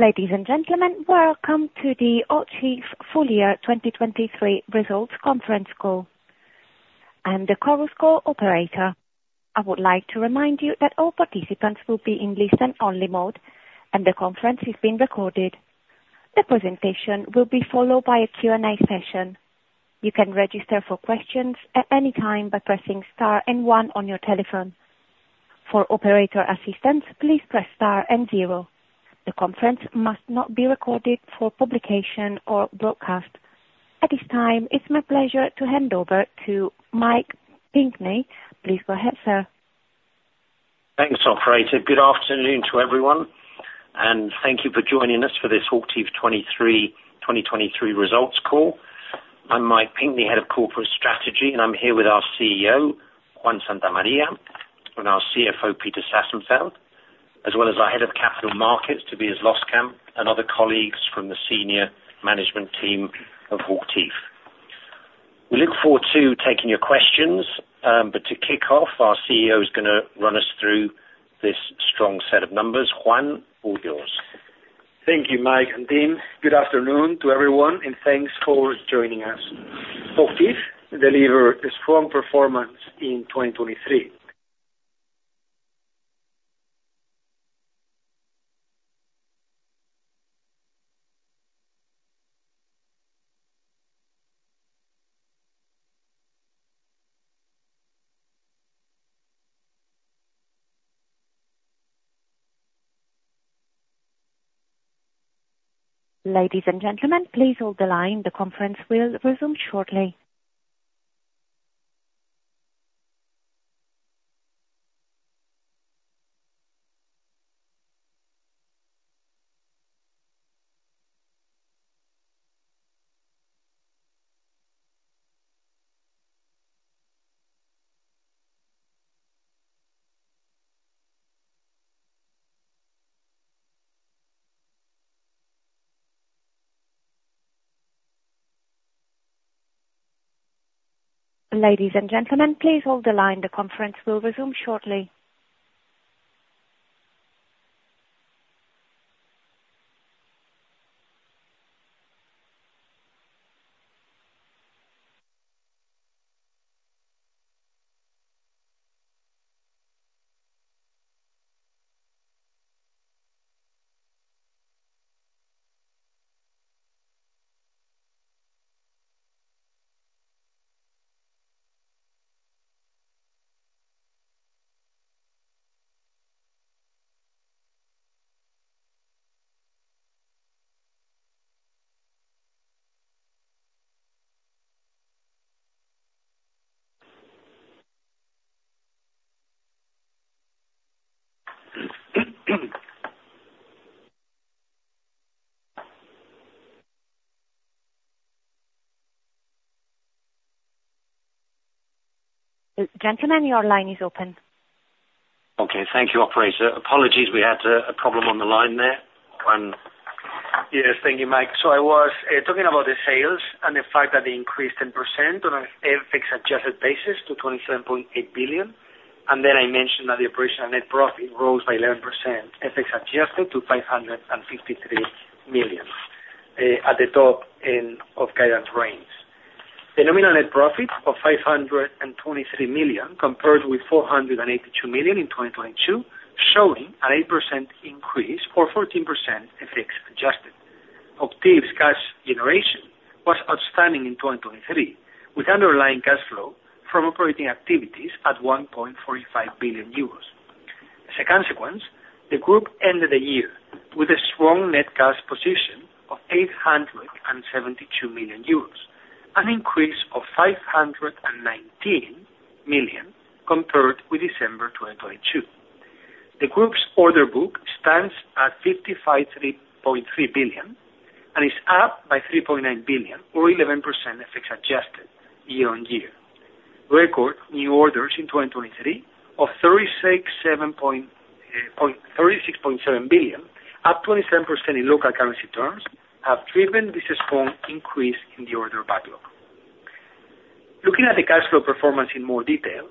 Ladies and gentlemen, welcome to the HOCHTIEF full year 2023 results conference call. I'm the Chorus Call operator. I would like to remind you that all participants will be in listen only mode, and the conference is being recorded. The presentation will be followed by a Q&A session. You can register for questions at any time by pressing star and one on your telephone. For operator assistance, please press star and zero. The conference must not be recorded for publication or broadcast. At this time, it's my pleasure to hand over to Mike Pinkney. Please go ahead, sir. Thanks, operator. Good afternoon to everyone, and thank you for joining us for this HOCHTIEF 2023 results call. I'm Mike Pinkney, Head of Corporate Strategy, and I'm here with our CEO, Juan Santamaría, and our CFO, Peter Sassenfeld, as well as our Head of Capital Markets, Tobias Loskamp, and other colleagues from the senior management team of HOCHTIEF. We look forward to taking your questions, but to kick off, our CEO is gonna run us through this strong set of numbers. Juan, all yours. Thank you, Mike and team. Good afternoon to everyone, and thanks for joining us. HOCHTIEF delivered a strong performance in 2023. Ladies and gentlemen, please hold the line. The conference will resume shortly. Ladies and gentlemen, please hold the line. The conference will resume shortly. Gentlemen, your line is open. Okay. Thank you, operator. Apologies, we had a problem on the line there, Juan. Yes, thank you, Mike. So I was talking about the sales and the fact that they increased 10% on a FX adjusted basis to 27.8 billion. And then I mentioned that the operational net profit rose by 11%, FX adjusted to 553 million at the top end of guidance range. The nominal net profit of 523 million, compared with 482 million in 2022, showing an 8% increase or 14% FX adjusted. HOCHTIEF's cash generation was outstanding in 2023, with underlying cash flow from operating activities at 1.45 billion euros. As a consequence, the group ended the year with a strong net cash position of 872 million euros, an increase of 519 million compared with December 2022. The group's order book stands at 55.3 billion and is up by 3.9 billion or 11% FX adjusted year-on-year. Record new orders in 2023 of 36.7 billion, up 27% in local currency terms, have driven this strong increase in the order backlog. Looking at the cash flow performance in more detail,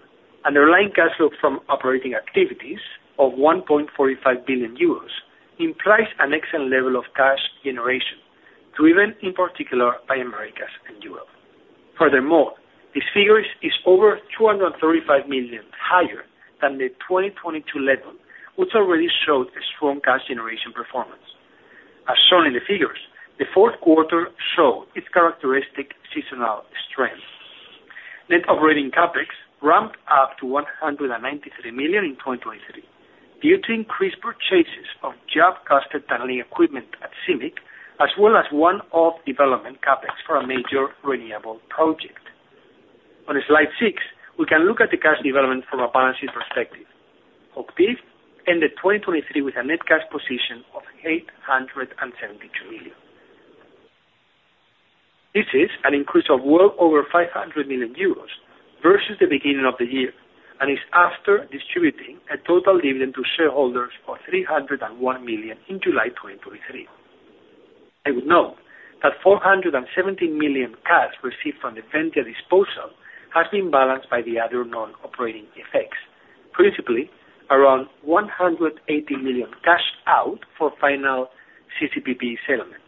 underlying cash flow from operating activities of 1.45 billion euros implies an excellent level of cash generation, driven in particular by Americas and Europe. Furthermore, this figure is over 235 million higher than the 2022 level, which already showed a strong cash generation performance. As shown in the figures, the fourth quarter showed its characteristic seasonal strength. Net operating CapEx ramped up to 193 million in 2023 due to increased purchases of job-costed tunnelling equipment at CIMIC, as well as one-off development CapEx for a major renewable project. On slide six, we can look at the cash development from a balancing perspective. HOCHTIEF ended 2023 with a net cash position of 873 million. This is an increase of well over 500 million euros versus the beginning of the year, and is after distributing a total dividend to shareholders of 301 million in July 2023. I would note that 470 million cash received from the Ventia disposal has been balanced by the other non-operating effects, principally around 180 million cash out for final CPB settlement,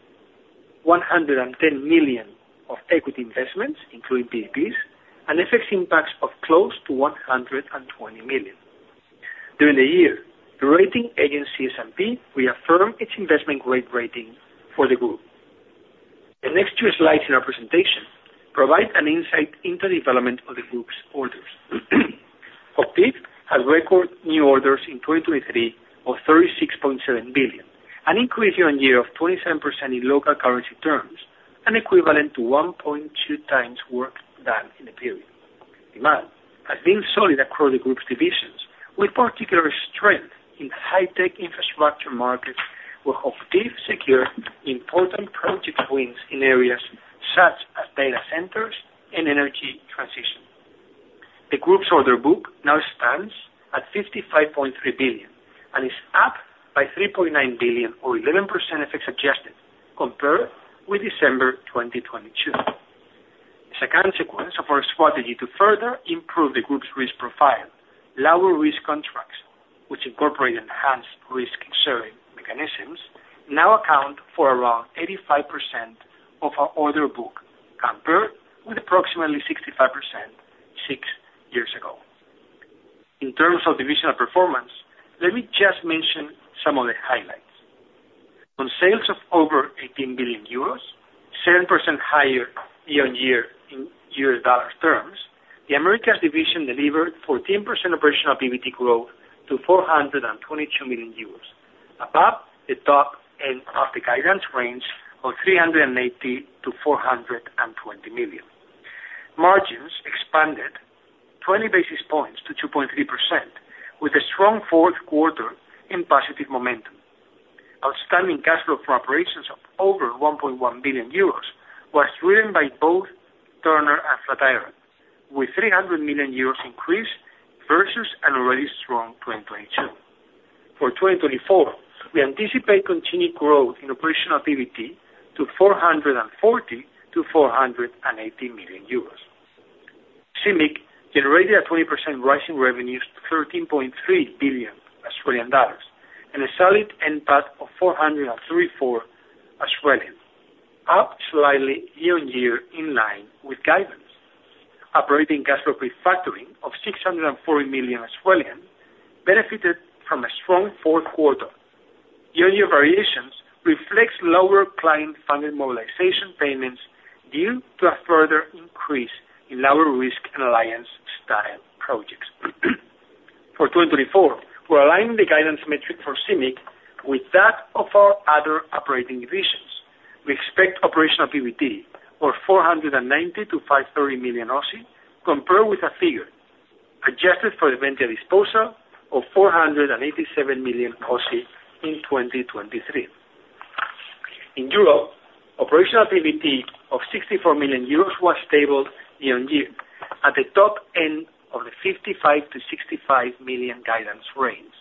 110 million of equity investments, including PPPs, and FX impacts of close to 120 million. During the year, the rating agency S&P reaffirmed its Investment Grade rating for the group. The next two slides in our presentation provide an insight into the development of the group's orders. HOCHTIEF has record new orders in 2023 of 36.7 billion, an increase year-on-year of 27% in local currency terms, and equivalent to 1.2x work done in the period. Demand has been solid across the group's divisions, with particular strength in high-tech infrastructure markets, where HOCHTIEF secured important project wins in areas such as data centers and energy transition. The group's order book now stands at 55.3 billion and is up by 3.9 billion or 11% FX adjusted compared with December 2022. As a consequence of our strategy to further improve the group's risk profile, lower risk contracts, which incorporate enhanced risk-sharing mechanisms, now account for around 85% of our order book, compared with approximately 65% six years ago. In terms of divisional performance, let me just mention some of the highlights. On sales of over 18 billion euros, 7% higher year-on-year in US dollar terms, the Americas division delivered 14% operational PBT growth to 422 million euros, above the top end of the guidance range of 380 million-420 million. Margins expanded 20 basis points to 2.3%, with a strong fourth quarter in positive momentum. Outstanding cash flow from operations of over 1.1 billion euros was driven by both Turner and Flatiron, with 300 million euros increase versus an already strong 2022. For 2024, we anticipate continued growth in operational PBT to 440 million-480 million euros. CIMIC generated a 20% rise in revenues to 13.3 billion Australian dollars, and a solid NPAT of 403.4 million, up slightly year-on-year in line with guidance. Operating cash flow pre-factoring of 640 million, benefited from a strong fourth quarter. Year-on-year variations reflects lower client funding mobilization payments due to a further increase in lower risk and alliance style projects. For 2024, we're aligning the guidance metric for CIMIC with that of our other operating divisions. We expect operational PBT of 490-530 million, compared with a figure adjusted for the Ventia disposal of 487 million in 2023. In Europe, operational PBT of 64 million euros was stable year on year, at the top end of the 55 million-65 million guidance range,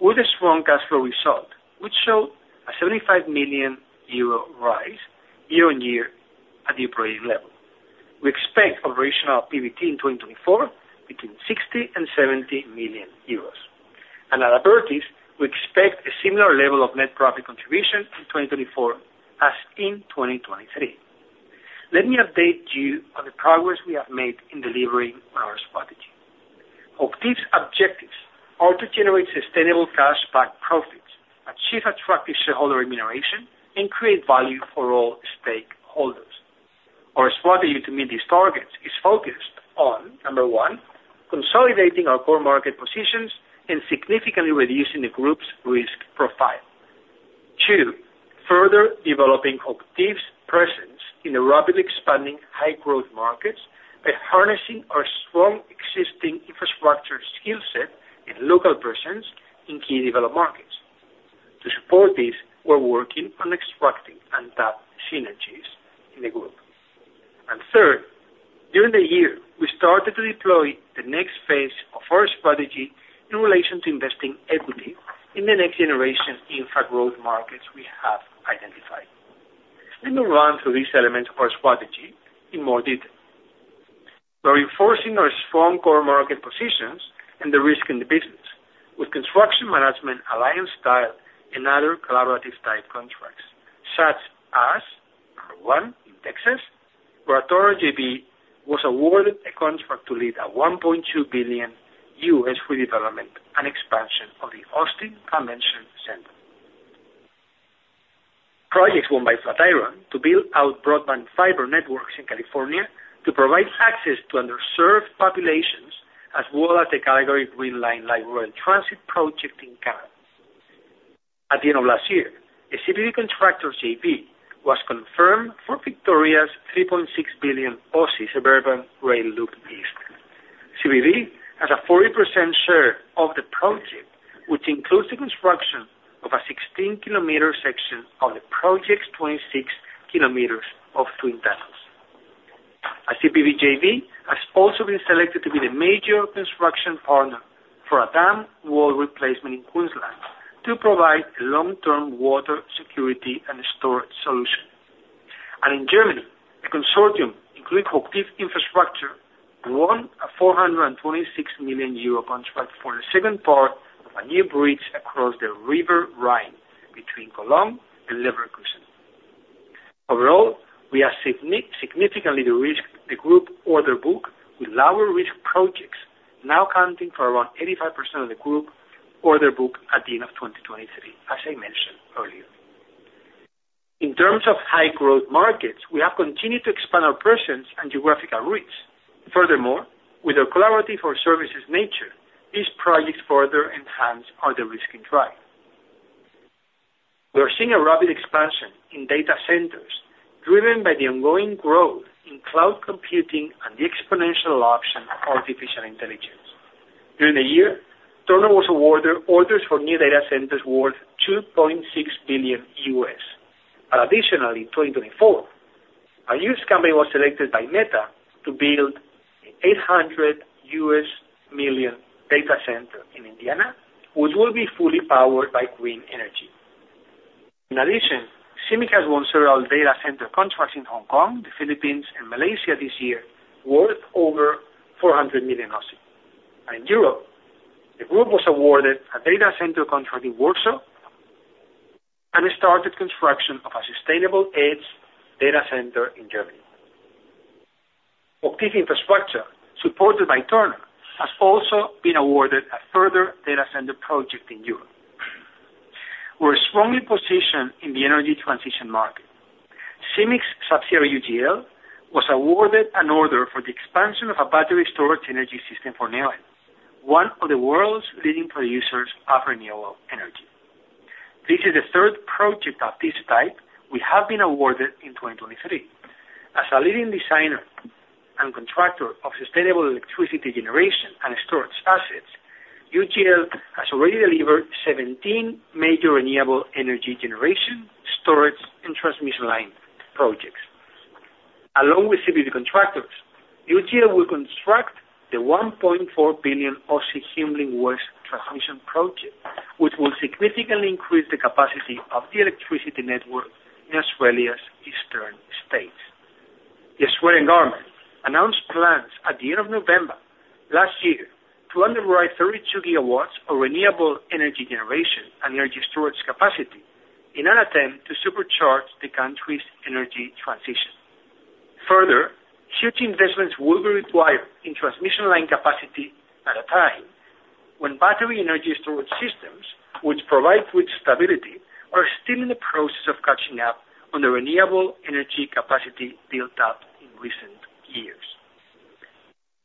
with a strong cash flow result, which showed a 75 million euro rise year on year at the operating level. We expect operational PBT in 2024 between 60 million and 70 million euros. At Abertis, we expect a similar level of net profit contribution in 2024 as in 2023. Let me update you on the progress we have made in delivering on our strategy. HOCHTIEF's objectives are to generate sustainable cash back profits, achieve attractive shareholder remuneration, and create value for all stakeholders. Our strategy to meet these targets is focused on, number one, consolidating our core market positions and significantly reducing the group's risk profile. Two, further developing HOCHTIEF's presence in the rapidly expanding high growth markets by harnessing our strong existing infrastructure skill set and local presence in key developed markets. To support this, we're working on extracting untapped synergies in the group. And third, during the year, we started to deploy the next phase of our strategy in relation to investing equity in the next generation infra growth markets we have identified. Let me run through this element of our strategy in more detail. We're reinforcing our strong core market positions and de-risking the business with construction management, alliance-style, and other collaborative type contracts, such as our one in Texas, where Turner JV was awarded a contract to lead a $1.2 billion redevelopment and expansion of the Austin Convention Center. Projects won by Flatiron to build out broadband fiber networks in California to provide access to underserved populations, as well as the Calgary Green Line light rail transit project in Canada. At the end of last year, a CPB Contractors JV was confirmed for Victoria's 3.6 billion Suburban Rail Loop East. CPB has a 40% share of the project, which includes the construction of a 16 km section of the project's 26 km of twin tunnels. The JV has also been selected to be the major construction partner for a dam wall replacement in Queensland, to provide long-term water security and storage solution. In Germany, a consortium, including HOCHTIEF Infrastructure, won a 426 million euro contract for the second part of a new bridge across the River Rhine between Cologne and Leverkusen. Overall, we have significantly de-risked the group order book with lower risk projects, now accounting for around 85% of the group order book at the end of 2023, as I mentioned earlier. In terms of high growth markets, we have continued to expand our presence and geographical reach. Furthermore, with our collaborative or services nature, these projects further enhance order risk and drive. We are seeing a rapid expansion in data centers, driven by the ongoing growth in cloud computing and the exponential adoption of artificial intelligence. During the year, Turner was awarded orders for new data centers worth $2.6 billion. Additionally, in 2024, a US company was selected by Meta to build an $800 million data center in Indiana, which will be fully powered by green energy. In addition, CIMIC has won several data center contracts in Hong Kong, the Philippines, and Malaysia this year, worth over 400 million. In Europe, the group was awarded a data center contract in Warsaw, and it started construction of a sustainable edge data center in Germany. HOCHTIEF Infrastructure, supported by Turner, has also been awarded a further data center project in Europe. We're strongly positioned in the energy transition market. CIMIC's subsidiary, UGL, was awarded an order for the expansion of a battery storage energy system for Neoen, one of the world's leading producers of renewable energy. This is the third project of this type we have been awarded in 2023. As a leading designer and contractor of sustainable electricity generation and storage assets, UGL has already delivered 17 major renewable energy generation, storage, and transmission line projects. Along with CPB Contractors, UGL will construct the 1.4 billion HumeLink Transmission Project, which will significantly increase the capacity of the electricity network in Australia's eastern states. The Australian government announced plans at the end of November last year to underwrite 32 GW of renewable energy generation and energy storage capacity in an attempt to supercharge the country's energy transition. Further, huge investments will be required in transmission line capacity at a time when battery energy storage systems, which provide grid stability, are still in the process of catching up on the renewable energy capacity built-up in recent years.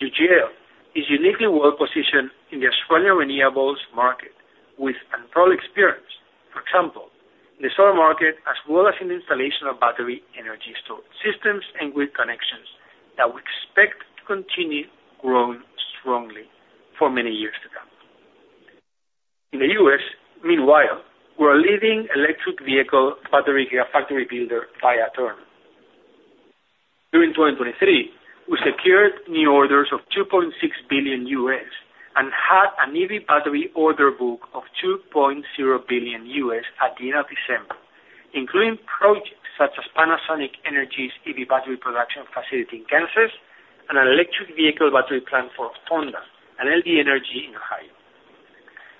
UGL is uniquely well positioned in the Australian renewables market, with unparalleled experience, for example, in the solar market, as well as in installation of battery energy storage systems and grid connections that we expect to continue growing strongly for many years to come. In the U.S., meanwhile, we're a leading electric vehicle battery factory builder via Turner. During 2023, we secured new orders of $2.6 billion, and had an EV battery order book of $2.0 billion at the end of December, including projects such as Panasonic Energy's EV battery production facility in Kansas, and an electric vehicle battery plant for Honda and LG Energy in Ohio.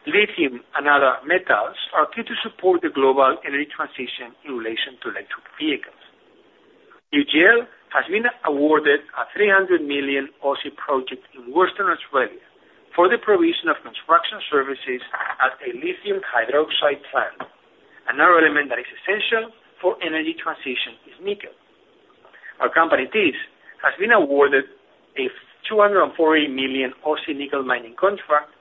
Lithium and other metals are key to support the global energy transition in relation to electric vehicles. UGL has been awarded a 300 million project in Western Australia for the provision of construction services at a lithium hydroxide plant. Another element that is essential for energy transition is nickel. Our company, Thiess, has been awarded a 240 million Aussie dollars nickel mining contract,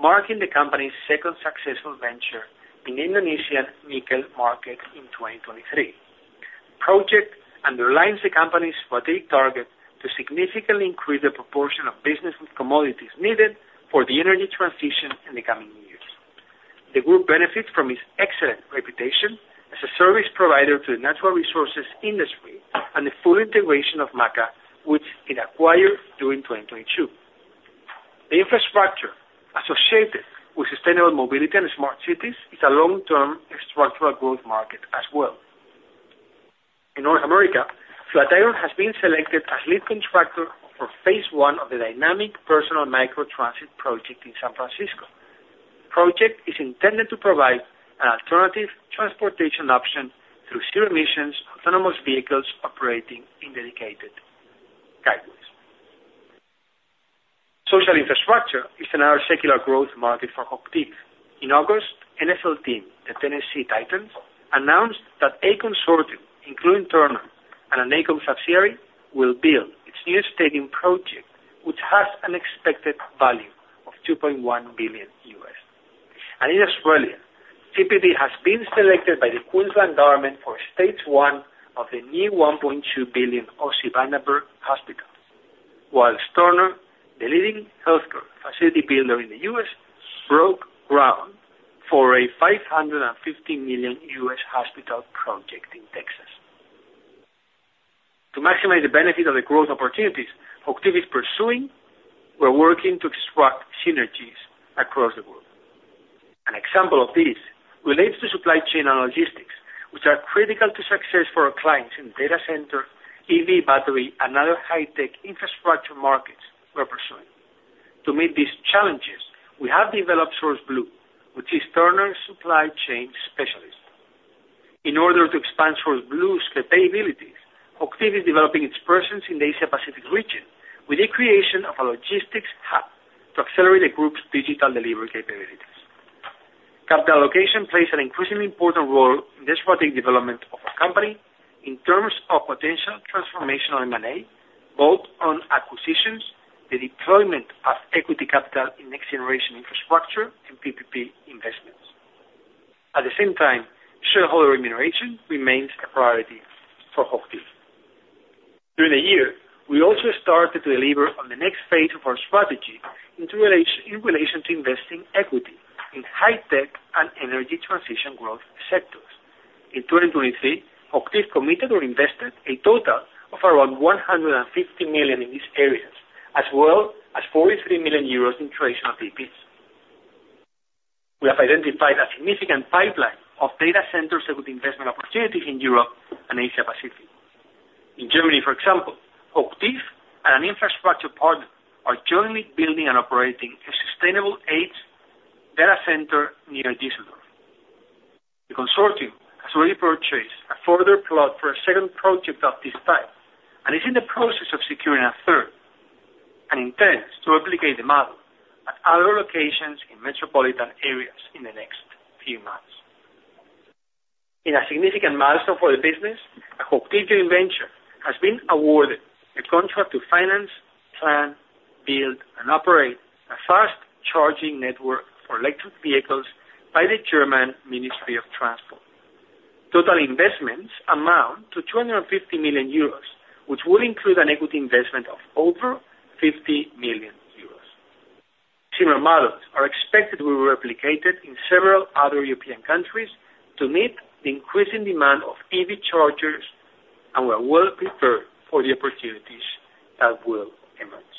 marking the company's second successful venture in the Indonesian nickel market in 2023. The project underlines the company's strategic target to significantly increase the proportion of business and commodities needed for the energy transition in the coming years. The group benefits from its excellent reputation as a service provider to the natural resources industry and the full integration of MACA, which it acquired during 2022. The infrastructure associated with sustainable mobility and smart cities is a long-term structural growth market as well. In North America, Flatiron has been selected as lead contractor for phase I of the dynamic personal microtransit project in San Francisco. The project is intended to provide an alternative transportation option through zero emissions, autonomous vehicles operating in dedicated guideways. Social infrastructure is another secular growth market for HOCHTIEF. In August, NFL team, the Tennessee Titans, announced that a consortium, including Turner and an AECOM subsidiary, will build its new stadium project, which has an expected value of $2.1 billion. In Australia, CPB has been selected by the Queensland Government for stage one of the new 1.2 billion Bundaberg Hospital. While Turner, the leading healthcare facility builder in the U.S., broke ground on a $550 million hospital project in Texas. To maximize the benefit of the growth opportunities HOCHTIEF is pursuing, we're working to extract synergies across the board. An example of this relates to supply chain and logistics, which are critical to success for our clients in data center, EV, battery, and other high tech infrastructure markets we are pursuing. To meet these challenges, we have developed SourceBlue, which is Turner's supply chain specialist. In order to expand SourceBlue's capabilities, HOCHTIEF is developing its presence in the Asia Pacific region with the creation of a logistics hub to accelerate the group's digital delivery capabilities. Capital allocation plays an increasingly important role in the strategic development of our company in terms of potential transformational M&A, both on acquisitions, the deployment of equity capital in next generation infrastructure and PPP investments. At the same time, shareholder remuneration remains a priority for HOCHTIEF. During the year, we also started to deliver on the next phase of our strategy in relation to investing equity in high tech and energy transition growth sectors. In 2023, HOCHTIEF committed or invested a total of around 150 million in these areas, as well as 43 million euros in traditional PPPs. We have identified a significant pipeline of data centers with investment opportunities in Europe and Asia Pacific. In Germany, for example, HOCHTIEF and an infrastructure partner are jointly building and operating a sustainable edge data center near Düsseldorf. The consortium has already purchased a further plot for a second project of this type, and is in the process of securing a third, and intends to replicate the model at other locations in metropolitan areas in the next few months. In a significant milestone for the business, a HOCHTIEF joint venture has been awarded a contract to finance, plan, build and operate a fast charging network for electric vehicles by the German Ministry of Transport. Total investments amount to 250 million euros, which will include an equity investment of over 50 million euros. Similar models are expected to be replicated in several other European countries to meet the increasing demand of EV chargers, and we are well prepared for the opportunities that will emerge.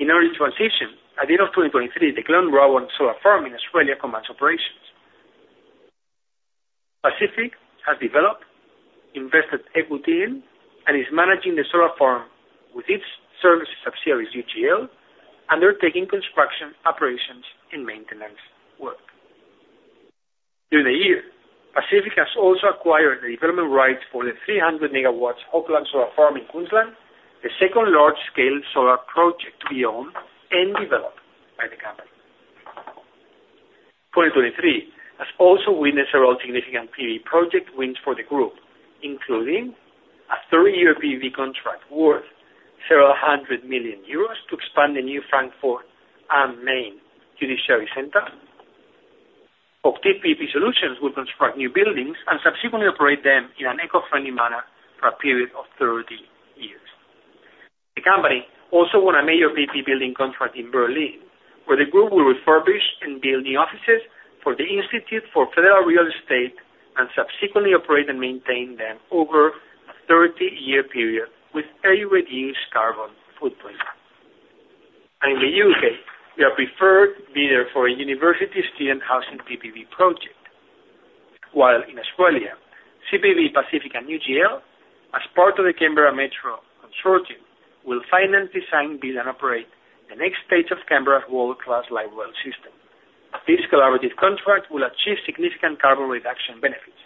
In energy transition, at the end of 2023, the Glenrowan Solar Farm in Australia commenced operations. Pacific has developed, invested equity in, and is managing the solar farm with its services subsidiary, UGL, undertaking construction, operations and maintenance work. During the year, Pacific has also acquired the development right for the 300 MW Hopeland Solar Farm in Queensland, the second large-scale solar project to be owned and developed by the company. 2023 has also witnessed several significant PV project wins for the group, including a 30-year PV contract worth several hundred million euros to expand the new Frankfurt am Main Judiciary Center. HOCHTIEF PPP Solutions will construct new buildings and subsequently operate them in an eco-friendly manner for a period of 30 years. The company also won a major PPP building contract in Berlin, where the group will refurbish and build new offices for the Institute for Federal Real Estate and subsequently operate and maintain them over a 30-year period with a reduced carbon footprint. In the UK, we are preferred bidder for a university student housing PPP project. While in Australia, CPB, Pacific and UGL, as part of the Canberra Metro Consortium, will finance, design, build and operate the next stage of Canberra's world-class light rail system. This collaborative contract will achieve significant carbon reduction benefits,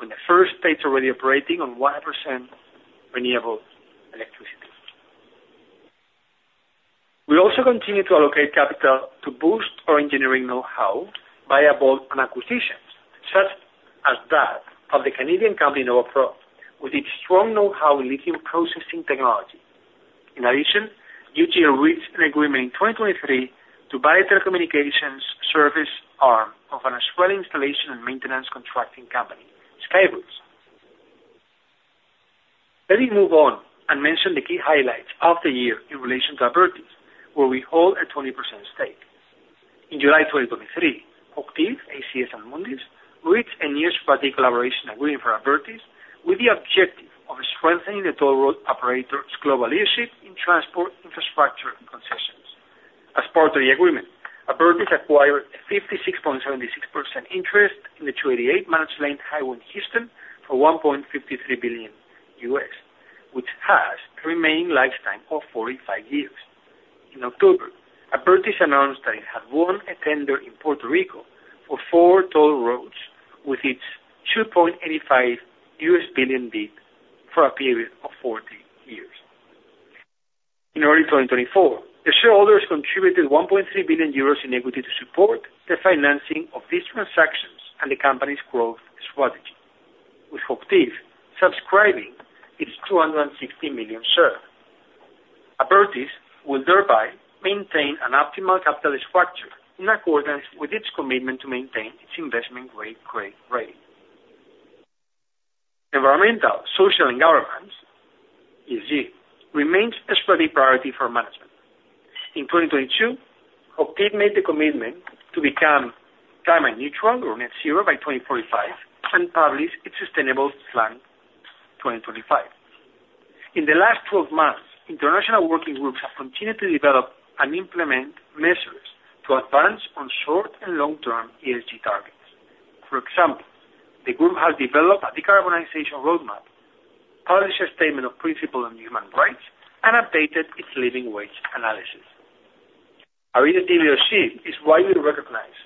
with the first stage already operating on 100% renewable electricity. We'll also continue to allocate capital to boost our engineering know-how via bolt-on acquisitions, such as that of the Canadian company Novopro, with its strong know-how in lithium processing technology. In addition, UGL reached an agreement in 2023 to buy a telecommunications service arm of an Australian installation and maintenance contracting company, Skybridge. Let me move on and mention the key highlights of the year in relation to Abertis, where we hold a 20% stake. In July 2023, HOCHTIEF, ACS and Mundys, reached a new strategic collaboration agreement for Abertis with the objective of strengthening the toll road operator's global leadership in transport, infrastructure and concessions. As part of the agreement, Abertis acquired a 56.76% interest in the 288 managed lanes highway in Houston for $1.53 billion, which has a remaining lifetime of 45 years. In October, Abertis announced that it had won a tender in Puerto Rico for four toll roads with its $2.85 billion bid for a period of 40 years. In early 2024, the shareholders contributed 1.3 billion euros in equity to support the financing of these transactions and the company's growth strategy, with HOCHTIEF subscribing its 260 million share. Abertis will thereby maintain an optimal capital structure in accordance with its commitment to maintain its investment-grade rating. Environmental, social and governance for management. In 2022, HOCHTIEF made the commitment to become climate neutral or net zero by 2045, and publish its Sustainable Plan 2025. In the last 12 months, international working groups have continued to develop and implement measures to advance on short- and long-term ESG targets. For example, the group has developed a decarbonization roadmap, published a Statement of Principle on Human Rights, and updated its living wage analysis. Our leadership is widely recognized.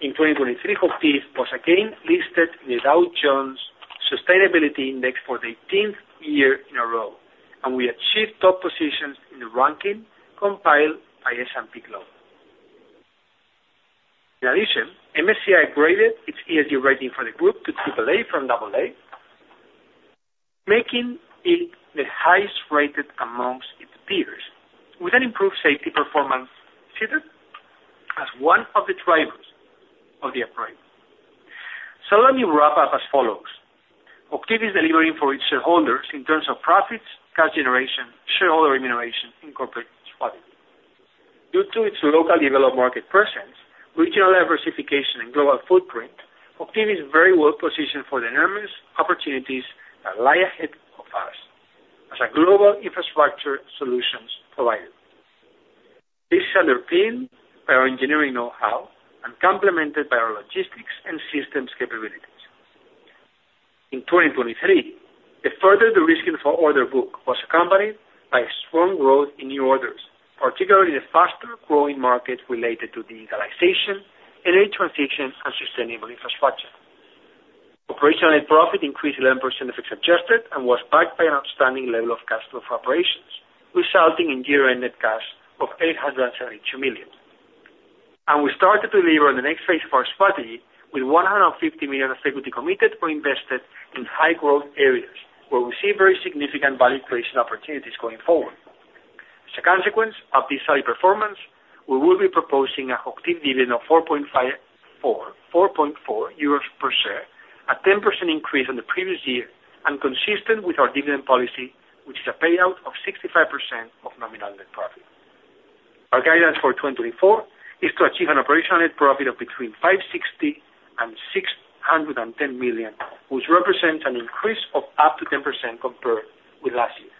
In 2023, HOCHTIEF was again listed in the Dow Jones Sustainability Index for the eighteenth year in a row, and we achieved top positions in the ranking compiled by S&P Global. In addition, MSCI graded its ESG rating for the group to AAA from AA, making it the highest rated among its peers, with an improved safety performance considered as one of the drivers of the upgrade. So let me wrap up as follows: HOCHTIEF is delivering for its shareholders in terms of profits, cash generation, shareholder remuneration, and corporate strategy. Due to its locally developed market presence, regional diversification and global footprint, HOCHTIEF is very well positioned for the enormous opportunities that lie ahead of us as a global infrastructure solutions provider. This is underpinned by our engineering know-how and complemented by our logistics and systems capabilities. In 2023, the further de-risking of our order book was accompanied by a strong growth in new orders, particularly the faster growing markets related to digitalization, energy transition, and sustainable infrastructure. Operational profit increased 11% if it's adjusted, and was backed by an outstanding level of customer operations, resulting in year-end net cash of 872 million. We started to deliver on the next phase of our strategy with 150 million of equity committed or invested in high growth areas, where we see very significant value creation opportunities going forward. As a consequence of this high performance, we will be proposing a HOCHTIEF dividend of 4.4 euros per share, a 10% increase on the previous year, and consistent with our dividend policy, which is a payout of 65% of nominal net profit. Our guidance for 2024 is to achieve an operational profit of between 560 million and 610 million, which represent an increase of up to 10% compared with last year.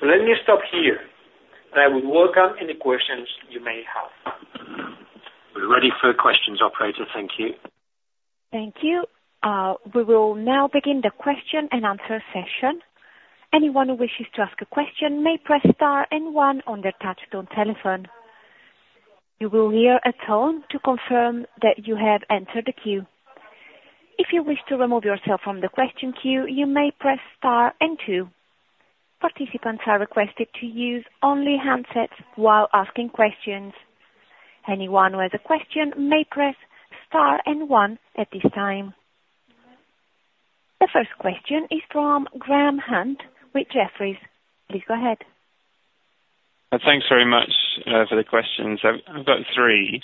So let me stop here, and I will welcome any questions you may have. We're ready for questions, operator. Thank you. Thank you. We will now begin the question and answer session. Anyone who wishes to ask a question may press star and one on their touchtone telephone. You will hear a tone to confirm that you have entered the queue. If you wish to remove yourself from the question queue, you may press star and two. Participants are requested to use only handsets while asking questions. Anyone who has a question may press star and one at this time. The first question is from Graham Hunt with Jefferies. Please go ahead. Thanks very much for the questions. I've got three.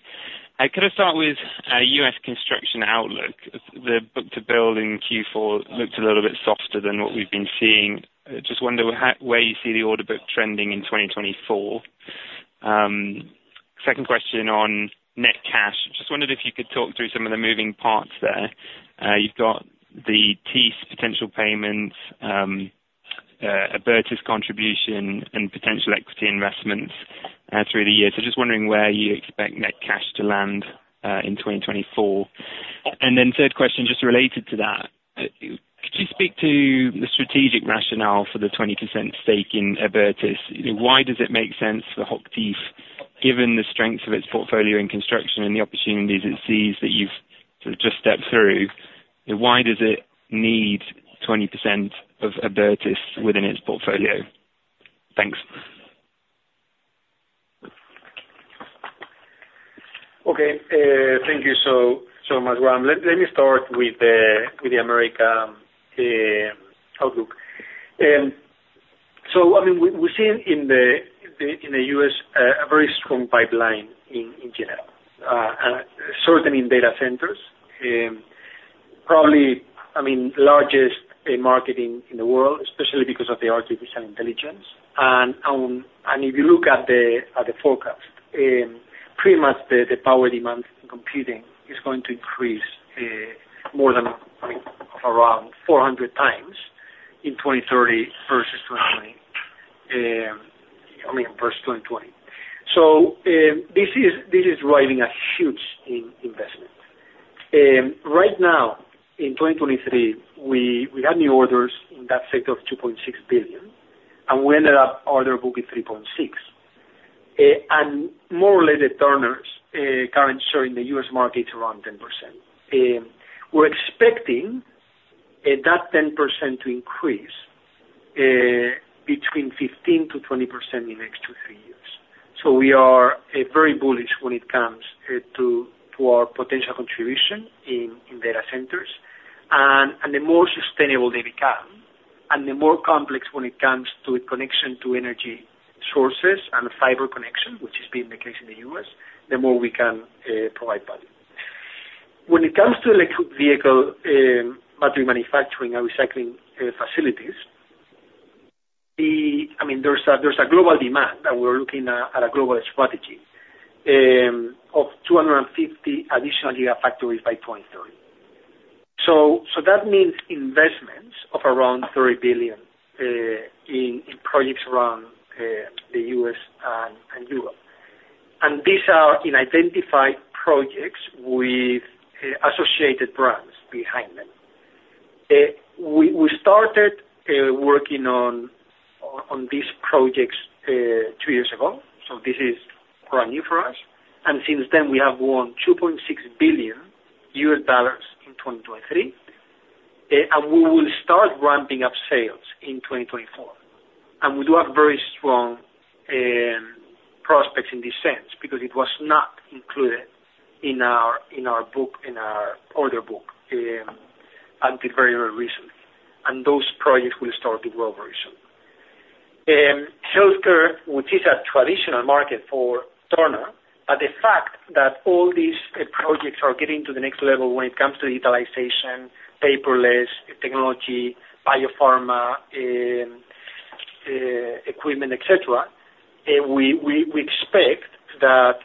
Could I start with U.S. construction outlook? The book to build in Q4 looked a little bit softer than what we've been seeing. I just wonder how... where you see the order book trending in 2024. Second question on net cash. Just wondered if you could talk through some of the moving parts there. You've got the Thiess potential payments, Abertis contribution and potential equity investments through the year. So just wondering where you expect net cash to land in 2024. And then third question, just related to that, could you speak to the strategic rationale for the 20% stake in Abertis? Why does it make sense for HOCHTIEF, given the strength of its portfolio in construction and the opportunities it sees that you've sort of just stepped through, why does it need 20% of Abertis within its portfolio? Thanks. Okay, thank you so much, Graham. Let me start with the America outlook. So I mean, we've seen in the U.S. a very strong pipeline in general and certainly in data centers. Probably I mean largest market in the world, especially because of the artificial intelligence. And if you look at the forecast, pretty much the power demand in computing is going to increase more than I mean around 400x in 2030 versus 2020. So this is driving a huge investment. Right now, in 2023, we had new orders in that sector of $2.6 billion, and we ended up order book at $3.6 billion. And more related Turner's, current showing the US market around 10%. We're expecting that 10% to increase between 15%-20% in the next two to three years. So we are very bullish when it comes to our potential contribution in data centers. And the more sustainable they become, and the more complex when it comes to the connection to energy sources and fiber connection, which has been the case in the U.S., the more we can provide value. When it comes to electric vehicle battery manufacturing and recycling facilities, I mean, there's a global demand, and we're looking at a global strategy of 250 additional gigafactories by 2030. So that means investments of around $30 billion in projects around the U.S. and Europe. These are in identified projects with associated brands behind them. We started working on these projects two years ago, so this is brand new for us. And since then, we have won $2.6 billion in 2023. We will start ramping up sales in 2024. We do have very strong prospects in this sense, because it was not included in our book, in our order book until very recently. Those projects will start to grow very soon. Healthcare, which is a traditional market for Turner, but the fact that all these projects are getting to the next level when it comes to digitalization, paperless technology, biopharma, equipment, et cetera, we expect that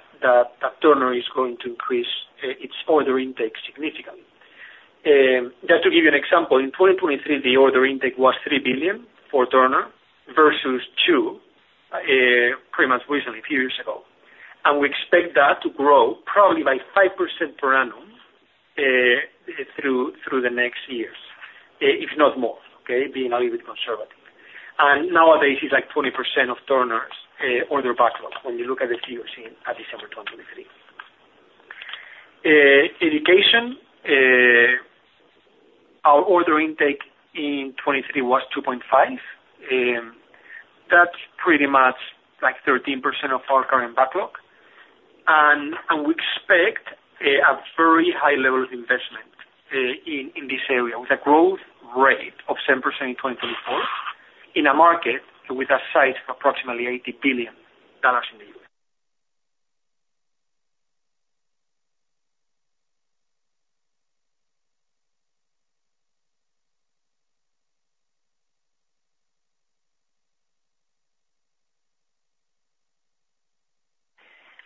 Turner is going to increase its order intake significantly. Just to give you an example, in 2023, the order intake was $3 billion for Turner versus $2 billion pretty much recently, a few years ago. We expect that to grow probably by 5% per annum through the next years, if not more, okay? Being a little bit conservative. Nowadays, it's like 20% of Turner's order backlog when you look at the Q4 at December 2023. Education, our order intake in 2023 was 2.5. That's pretty much like 13% of our current backlog. We expect a very high level of investment in this area, with a growth rate of 10% in 2024, in a market with a size of approximately $80 billion in the U.S.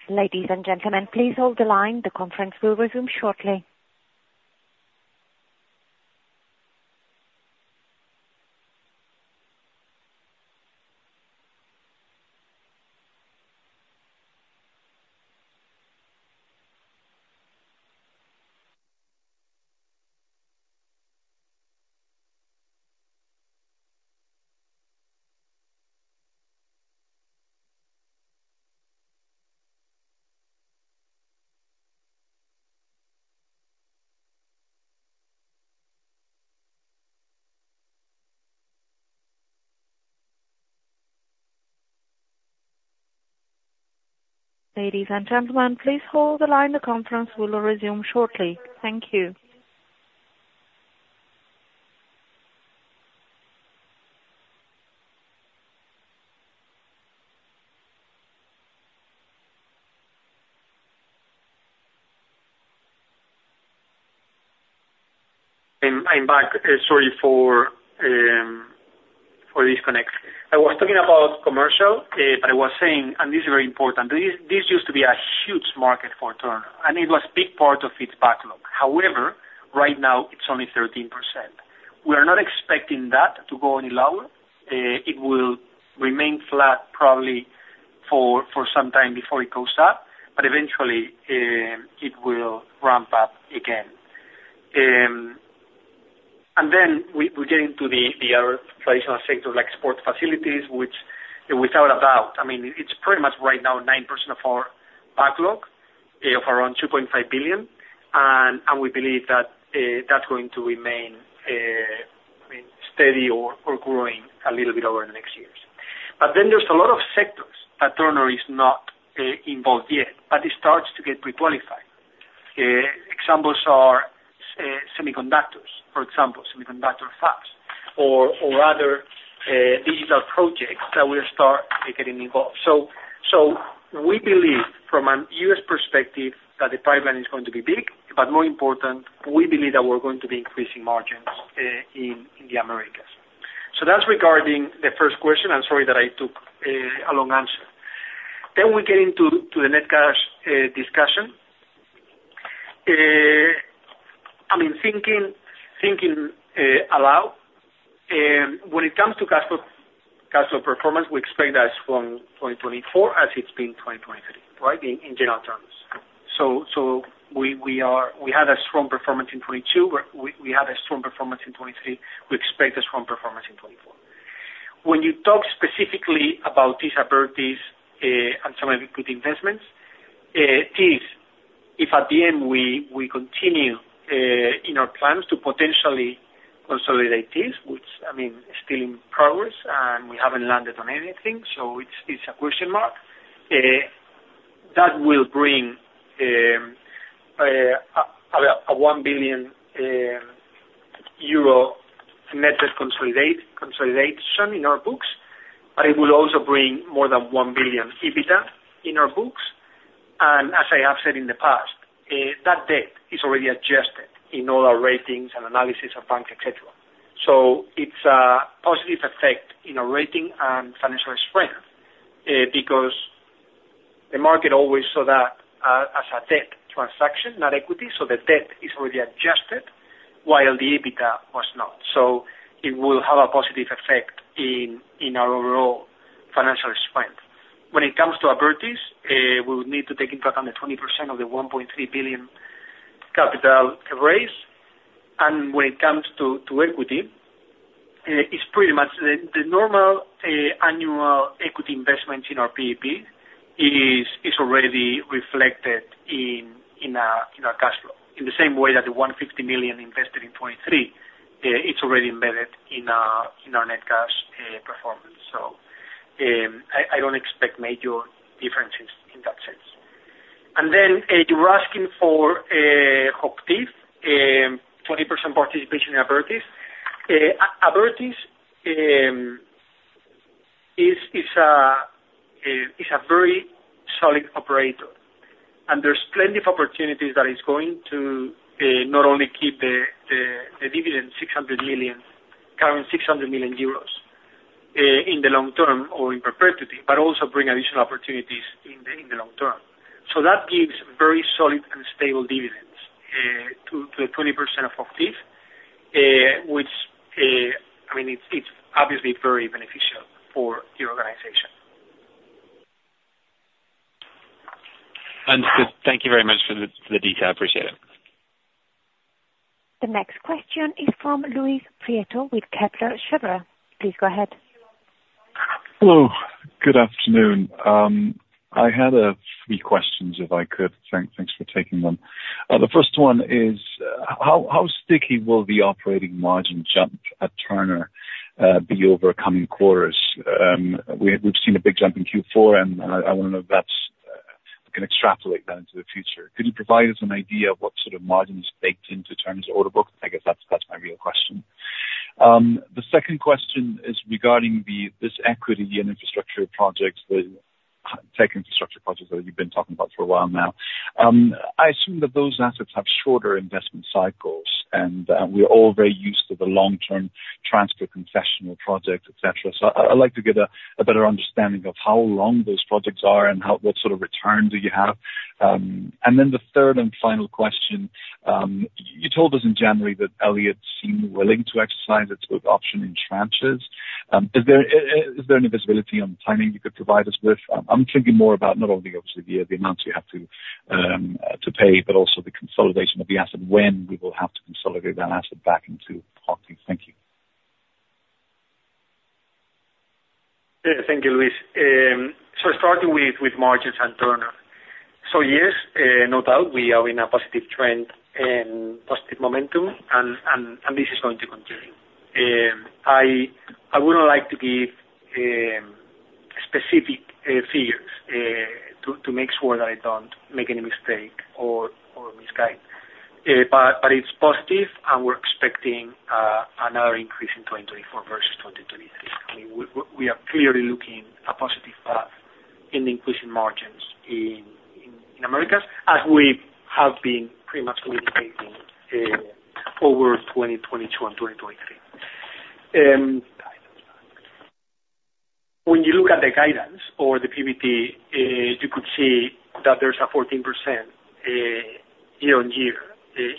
Ladies and gentlemen, please hold the line. The conference will resume shortly. Ladies and gentlemen, please hold the line. The conference will resume shortly. Thank you. I'm back. Sorry for the disconnect. I was talking about commercial, but I was saying, and this is very important, this, this used to be a huge market for Turner, and it was big part of its backlog. However, right now it's only 13%. We are not expecting that to go any lower. It will remain flat, probably for some time before it goes up, but eventually, it will ramp-up again. And then we get into the other traditional sector, like sport facilities, which without a doubt, I mean, it's pretty much right now 9% of our backlog, of around 2.5 billion. And we believe that, that's going to remain, I mean, steady or growing a little bit over the next years. But then there's a lot of sectors that Turner is not involved yet, but it starts to get pre-qualified. Examples are semiconductors, for example, semiconductor fabs, or, or other digital projects that will start getting involved. So, so we believe from a US perspective, that the pipeline is going to be big, but more important, we believe that we're going to be increasing margins in the Americas. So that's regarding the first question. I'm sorry that I took a long answer. Then we get into to the net cash discussion. I mean, thinking aloud, when it comes to cash flow, cash flow performance, we expect a strong 2024 as it's been 2023, right? In general terms. We had a strong performance in 2022, we had a strong performance in 2023. We expect a strong performance in 2024. When you talk specifically about these opportunities and some equity investments, Thiess, if at the end, we continue in our plans to potentially consolidate this, which I mean, is still in progress, and we haven't landed on anything, so it's a question mark, that will bring a EUR 1 billion net debt consolidation in our books, but it will also bring more than 1 billion EBITDA in our books. And as I have said in the past, that debt is already adjusted in all our ratings and analysis of banks, et cetera. So it's a positive effect in our rating and financial strength, because the market always saw that, as a debt transaction, not equity, so the debt is already adjusted while the EBITDA was not. So it will have a positive effect in our overall financial strength. When it comes to Abertis, we'll need to take into account the 20% of the 1.3 billion capital raise. And when it comes to equity, it's pretty much the normal annual equity investment in our PEP is already reflected in our cash flow. In the same way that the 150 million invested in 2023, it's already embedded in our net cash performance. So, I don't expect major differences in that sense. Then you were asking for HOCHTIEF 20% participation in Abertis. Abertis is a very solid operator, and there's plenty of opportunities that is going to not only keep the dividend 600 million, current 600 million euros in the long-term or in perpetuity, but also bring additional opportunities in the long-term. So that gives very solid and stable dividends to the 20% of HOCHTIEF, which, I mean, it's obviously very beneficial for the organization. Thank you very much for the, for the detail. I appreciate it. The next question is from Luis Prieto with Kepler Cheuvreux. Please go ahead. Hello, good afternoon. I had a few questions, if I could. Thanks for taking them. The first one is, how sticky will the operating margin jump at Turner be over coming quarters? We've seen a big jump in Q4, and I want to know if that's can extrapolate that into the future. Could you provide us an idea of what sort of margins baked into Turner's order book? I guess that's my real question. The second question is regarding this equity and infrastructure projects, the tech infrastructure projects that you've been talking about for a while now. I assume that those assets have shorter investment cycles, and we're all very used to the long-term transfer concessional projects, et cetera. So I'd like to get a better understanding of how long those projects are and what sort of return do you have? And then the third and final question. You told us in January that Elliott seemed willing to exercise its put option in tranches. Is there any visibility on timing you could provide us with? I'm thinking more about not only obviously the amounts you have to pay, but also the consolidation of the asset, when we will have to consolidate that asset back into HOCHTIEF. Thank you. Yeah, thank you, Luis. So starting with margins and Turner. So yes, no doubt, we are in a positive trend and positive momentum, and this is going to continue. I wouldn't like to give specific figures to make sure that I don't make any mistake or misguide. But it's positive, and we're expecting another increase in 2024 versus 2023. I mean, we are clearly looking a positive path in increasing margins in Americas, as we have been pretty much communicating over 2022 and 2023. When you look at the guidance or the PBT, you could see that there's a 14% year-on-year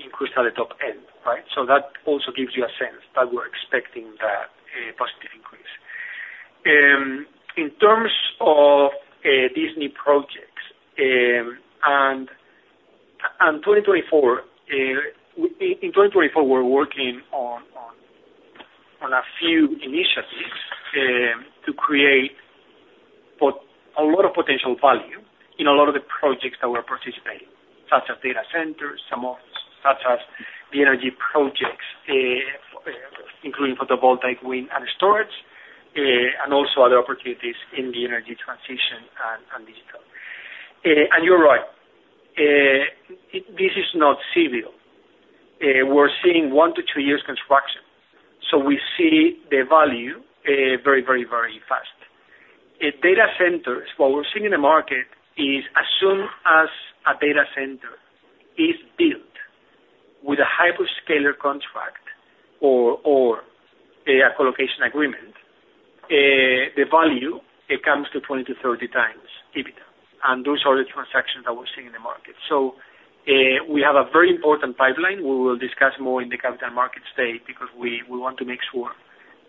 increase at the top end, right? So that also gives you a sense that we're expecting that positive increase. In terms of these new projects and 2024, we're working on a few initiatives to create a lot of potential value in a lot of the projects that we're participating, such as data centers, such as the energy projects, including photovoltaic, wind, and storage, and also other opportunities in the energy transition and digital. And you're right, this is not civil. We're seeing one to two years construction, so we see the value very, very, very fast. Data centers, what we're seeing in the market is as soon as a data center is built with a hyperscaler contract or a colocation agreement, the value, it comes to 20-30x EBITDA, and those are the transactions that we're seeing in the market. So, we have a very important pipeline. We will discuss more in the Capital Markets Day because we want to make sure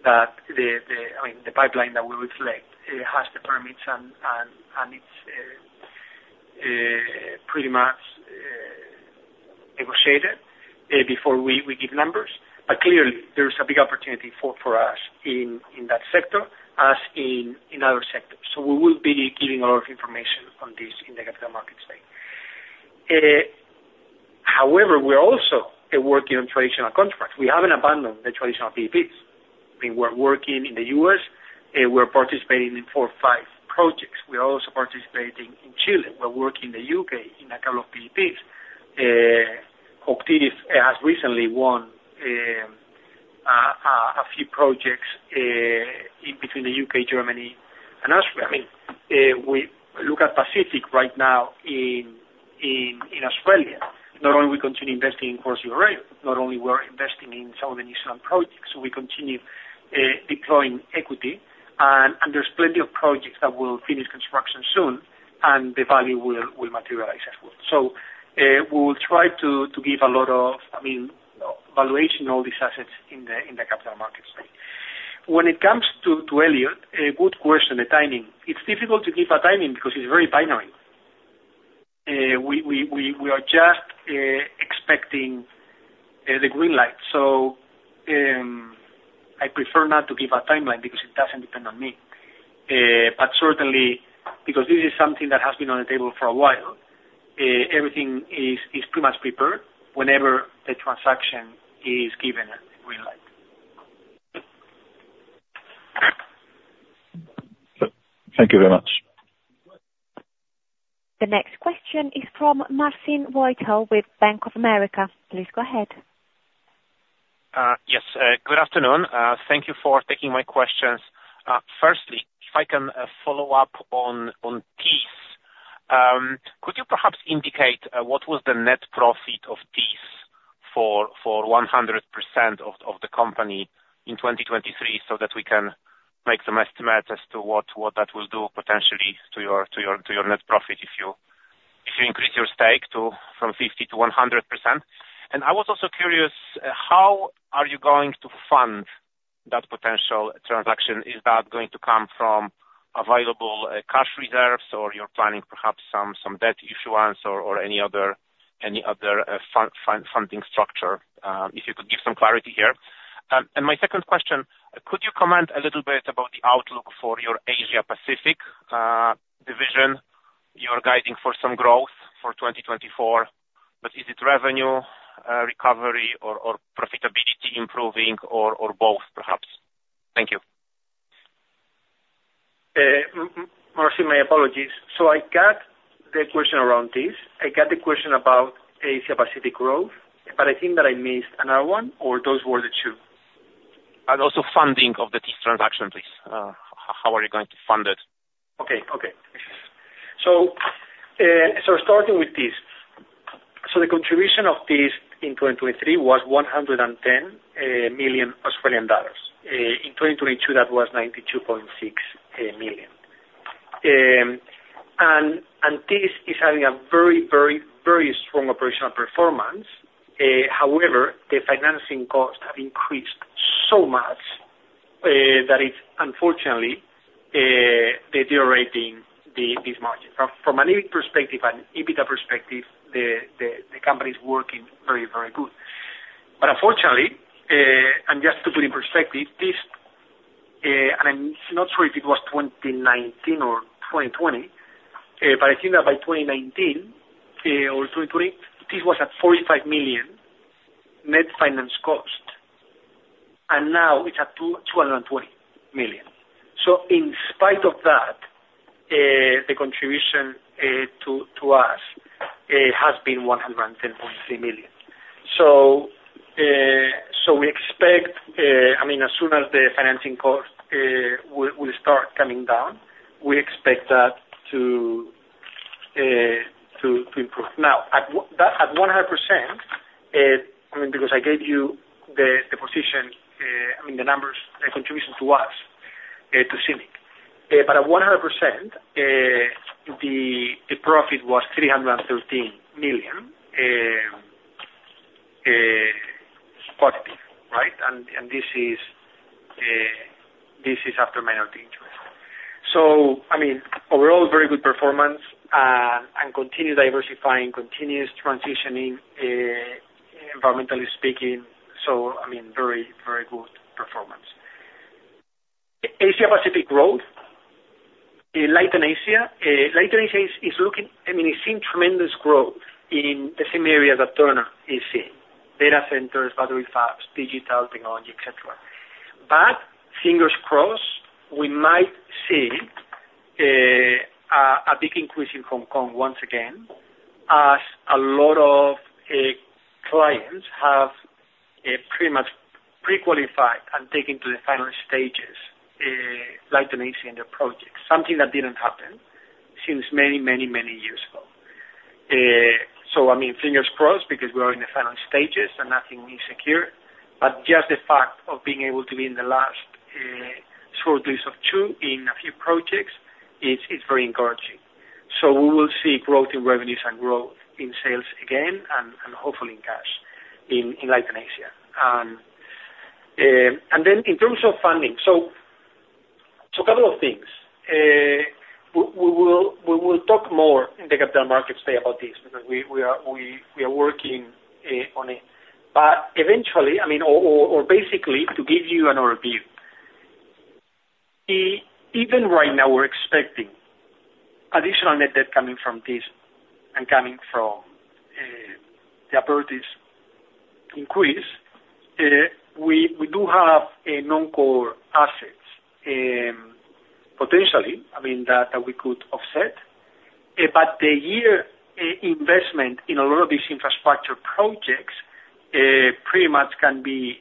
that the, I mean, the pipeline that we reflect has the permits and it's pretty much negotiated before we give numbers. But clearly, there's a big opportunity for us in that sector as in other sectors. So we will be giving a lot of information on this in the Capital Markets Day. However, we're also working on traditional contracts. We haven't abandoned the traditional PPPs. I mean, we're working in the U.S., we're participating in four or five projects. We are also participating in Chile. We're working in the U.K. in a couple of PPPs. HOCHTIEF has recently won a few projects in the U.K., Germany, and Austria. I mean, we look at Pacific right now in Australia, not only we continue investing in Cross River Rail, not only we're investing in some of the new solar projects, we continue deploying equity. And, and there's plenty of projects that will finish construction soon, and the value will materialize as well. So, we will try to give a lot of, I mean, valuation, all these assets in the Capital Markets Day. When it comes to Elliott, a good question, the timing. It's difficult to give a timing because it's very binary. We are just expecting the green light. So, I prefer not to give a timeline because it doesn't depend on me. But certainly, because this is something that has been on the table for a while, everything is pretty much prepared whenever the transaction is given a green light. Thank you very much. The next question is from Marcin Wojtal with Bank of America. Please go ahead. Yes, good afternoon. Thank you for taking my questions. Firstly, if I can follow-up on Thiess. Could you perhaps indicate what was the net profit of Thiess for 100% of the company in 2023, so that we can make some estimate as to what that will do potentially to your net profit if you increase your stake from 50%-100%? And I was also curious how are you going to fund that potential transaction? Is that going to come from available cash reserves, or you're planning perhaps some debt issuance or any other funding structure? If you could give some clarity here. My second question, could you comment a little bit about the outlook for your Asia Pacific division? You're guiding for some growth for 2024, but is it revenue recovery or profitability improving or both, perhaps? Thank you. Martin, my apologies. So I got the question around Thiess. I got the question about Asia Pacific growth, but I think that I missed another one, or those were the two? Also funding of the Thiess transaction, please. How are you going to fund it? Okay, okay. So starting with Thiess. So the contribution of Thiess in 2023 was 110 million Australian dollars. In 2022, that was 92.6 million. And Thiess is having a very, very, very strong operational performance. However, the financing costs have increased so much that it's unfortunately deteriorating these margins. From an EBIT perspective and EBITDA perspective, the company is working very, very good. But unfortunately and just to put in perspective, Thiess, and I'm not sure if it was 2019 or 2020, but I think that by 2019 or 2020, Thiess was at 45 million net finance cost, and now it's at 220 million. So in spite of that, the contribution to us has been 110.3 million. So we expect, I mean, as soon as the financing cost will start coming down, we expect that to improve. Now, at that at 100%, I mean, because I gave you the position, I mean the numbers, the contribution to us to CIMIC. But at 100%, the profit was 313 million positive, right? And this is after minority interest. So I mean, overall, very good performance, and continue diversifying, continuous transitioning environmentally speaking. So I mean, very, very good performance. Asia Pacific growth, Leighton Asia. Leighton Asia is looking... I mean, it's seeing tremendous growth in the same areas that Turner is seeing, data centers, battery fabs, digital technology, et cetera. But fingers crossed, we might see a big increase in Hong Kong once again, as a lot of clients have pretty much pre-qualified and taken to the final stages, Leighton Asia in their projects. Something that didn't happen since many, many, many years ago. So I mean, fingers crossed, because we are in the final stages and nothing is secure, but just the fact of being able to be in the last short list of two in a few projects is very encouraging. So we will see growth in revenues and growth in sales again, and hopefully in cash in Leighton Asia. And then in terms of funding, couple of things. We will talk more in the Capital Markets Day about Thiess, because we are working on it. But eventually, I mean, basically to give you an overview, even right now, we're expecting additional net debt coming from Thiess and coming from the opportunities to increase. We do have non-core assets, I mean, that we could offset. But the investment in a lot of these infrastructure projects pretty much can be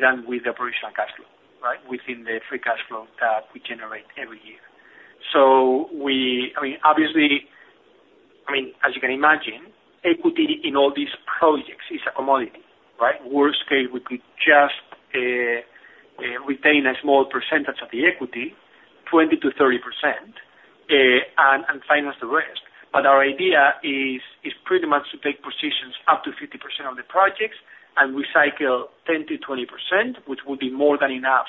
done with the operational cash flow, right? Within the free cash flow that we generate every year. So, I mean, obviously, I mean, as you can imagine, equity in all these projects is a commodity, right? Worst case, we could just retain a small percentage of the equity, 20%-30%, and finance the rest. But our idea is pretty much to take positions up to 50% of the projects and recycle 10%-20%, which will be more than enough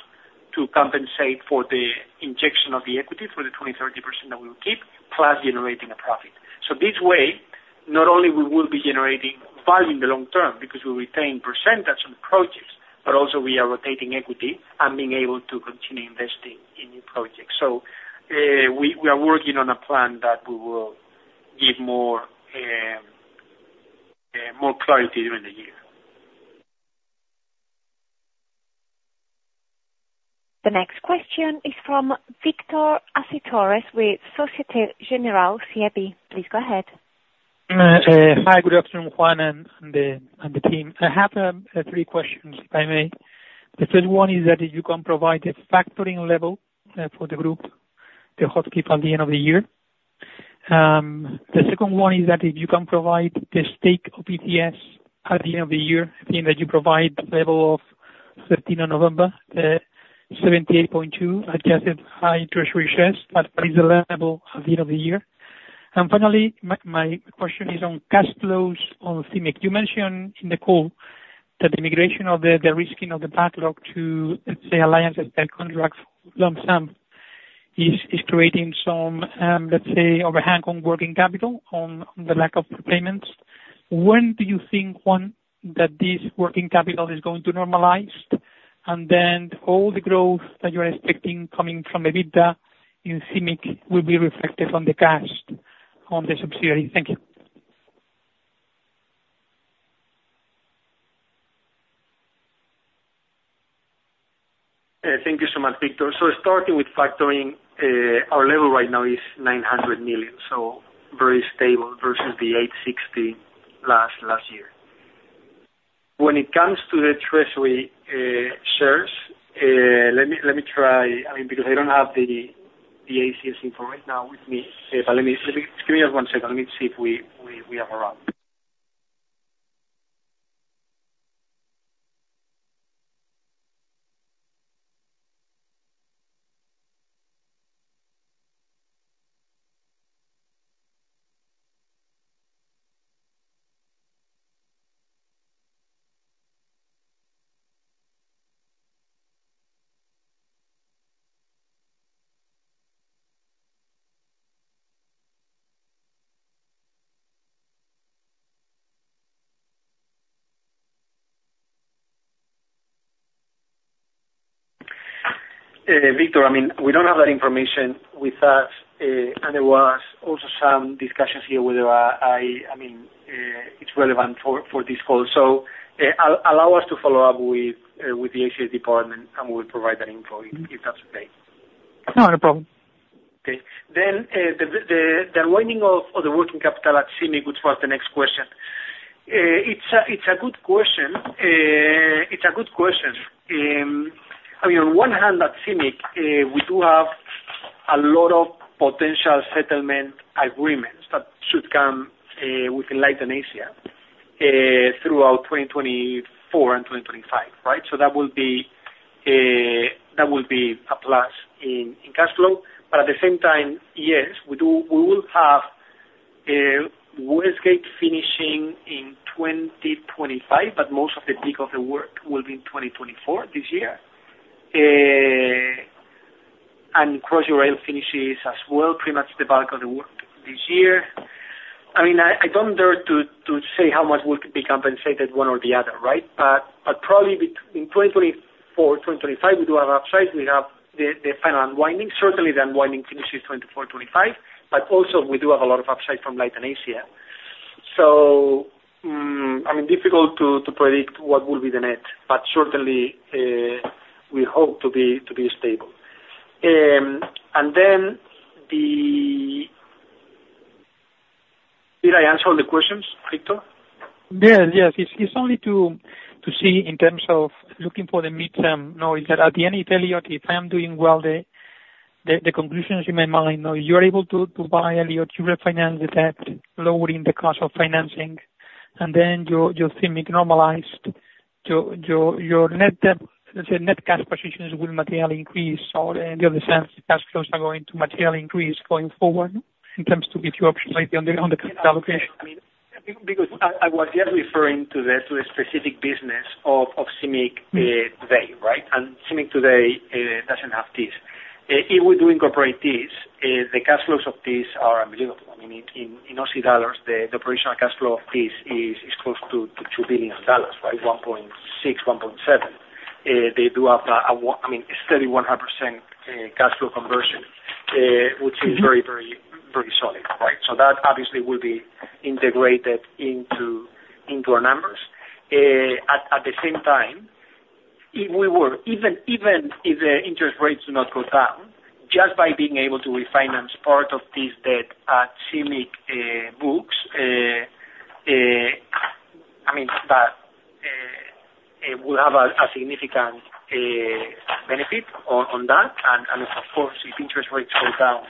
to compensate for the injection of the equity for the 20%-30% that we will keep, plus generating a profit. So this way, not only we will be generating value in the long-term because we retain percentage on the projects, but also we are rotating equity and being able to continue investing in new projects. So, we are working on a plan that we will give more clarity during the year. The next question is from Victor Acitores with Société Générale CIB. Please go ahead. Hi, good afternoon, Juan, and the team. I have three questions, if I may. The first one is that if you can provide a factoring level for the group, the HOCHTIEF at the end of the year. The second one is that if you can provide the stake of ACS at the end of the year. I think that you provided level of 13 November, 78.2 adjusted own treasury shares, but is the level at the end of the year? And finally, my question is on cash flows of CIMIC. You mentioned in the call that the migration of the risking of the backlog to, let's say, alliance contracts lump sum, is creating some overhang on working capital, on the lack of payments. When do you think, Juan, that Thiess working capital is going to normalize, and then all the growth that you're expecting coming from the EBITDA in CIMIC will be reflected on the cash on the subsidiary? Thank you. Thank you so much, Victor. So starting with factoring, our level right now is 900 million, so very stable versus the 860 million last year. When it comes to the treasury shares, let me, let me try, I mean, because I don't have the, the ACS info right now with me. But let me, let me. Give me just one second. Let me see if we, we, we have around. Victor, I mean, we don't have that information with us, and there was also some discussions here whether I, I, I mean, it's relevant for, for this call. So, allow us to follow-up with, with the ACS department, and we will provide that info, if, if that's okay. No, no problem. Okay. Then, the unwinding of the working capital at CIMIC, which was the next question. It's a good question. It's a good question. I mean, on one hand, at CIMIC, we do have a lot of potential settlement agreements that should come within Leighton Asia throughout 2024 and 2025, right? So that will be a plus in cash flow. But at the same time, yes, we do we will have West Gate finishing in 2025, but most of the peak of the work will be in 2024, this year. And Cross River Rail finishes as well, pretty much the bulk of the work this year. I mean, I don't dare to say how much will be compensated one or the other, right? But probably better in 2024, 2025, we do have upside. We have the final unwinding. Certainly, the unwinding finishes 2024, 2025, but also we do have a lot of upside from Leighton Asia. So, I mean, difficult to predict what will be the net, but certainly we hope to be stable. And then the... Did I answer all the questions, Victor? Yes, yes. It's only to see in terms of looking for the midterm, no, is that at the end of Elliott, if I'm doing well, the conclusions in my mind, no, you're able to buy Elliott, you refinance the debt, lowering the cost of financing, and then your CIMIC normalized, your net debt, let's say, net cash positions will materially increase or in the other sense, the cash flows are going to materially increase going forward in terms to give you options on the cash allocation. I mean, because I was just referring to the, to a specific business of CIMIC today, right? CIMIC today doesn't have this. If we do incorporate Thiess, the cash flows of Thiess are unbelievable. I mean, in Aussie dollars, the operational cash flow of Thiess is close to 2 billion dollars, right? 1.6 billion-1.7 billion. They do have a—I mean, a steady 100% cash flow conversion, which is very, very, very solid... So that obviously will be integrated into our numbers. At the same time, if we were even if the interest rates do not go down, just by being able to refinance part of this debt at CIMIC books, I mean, that it will have a significant benefit on that. And of course, if interest rates go down,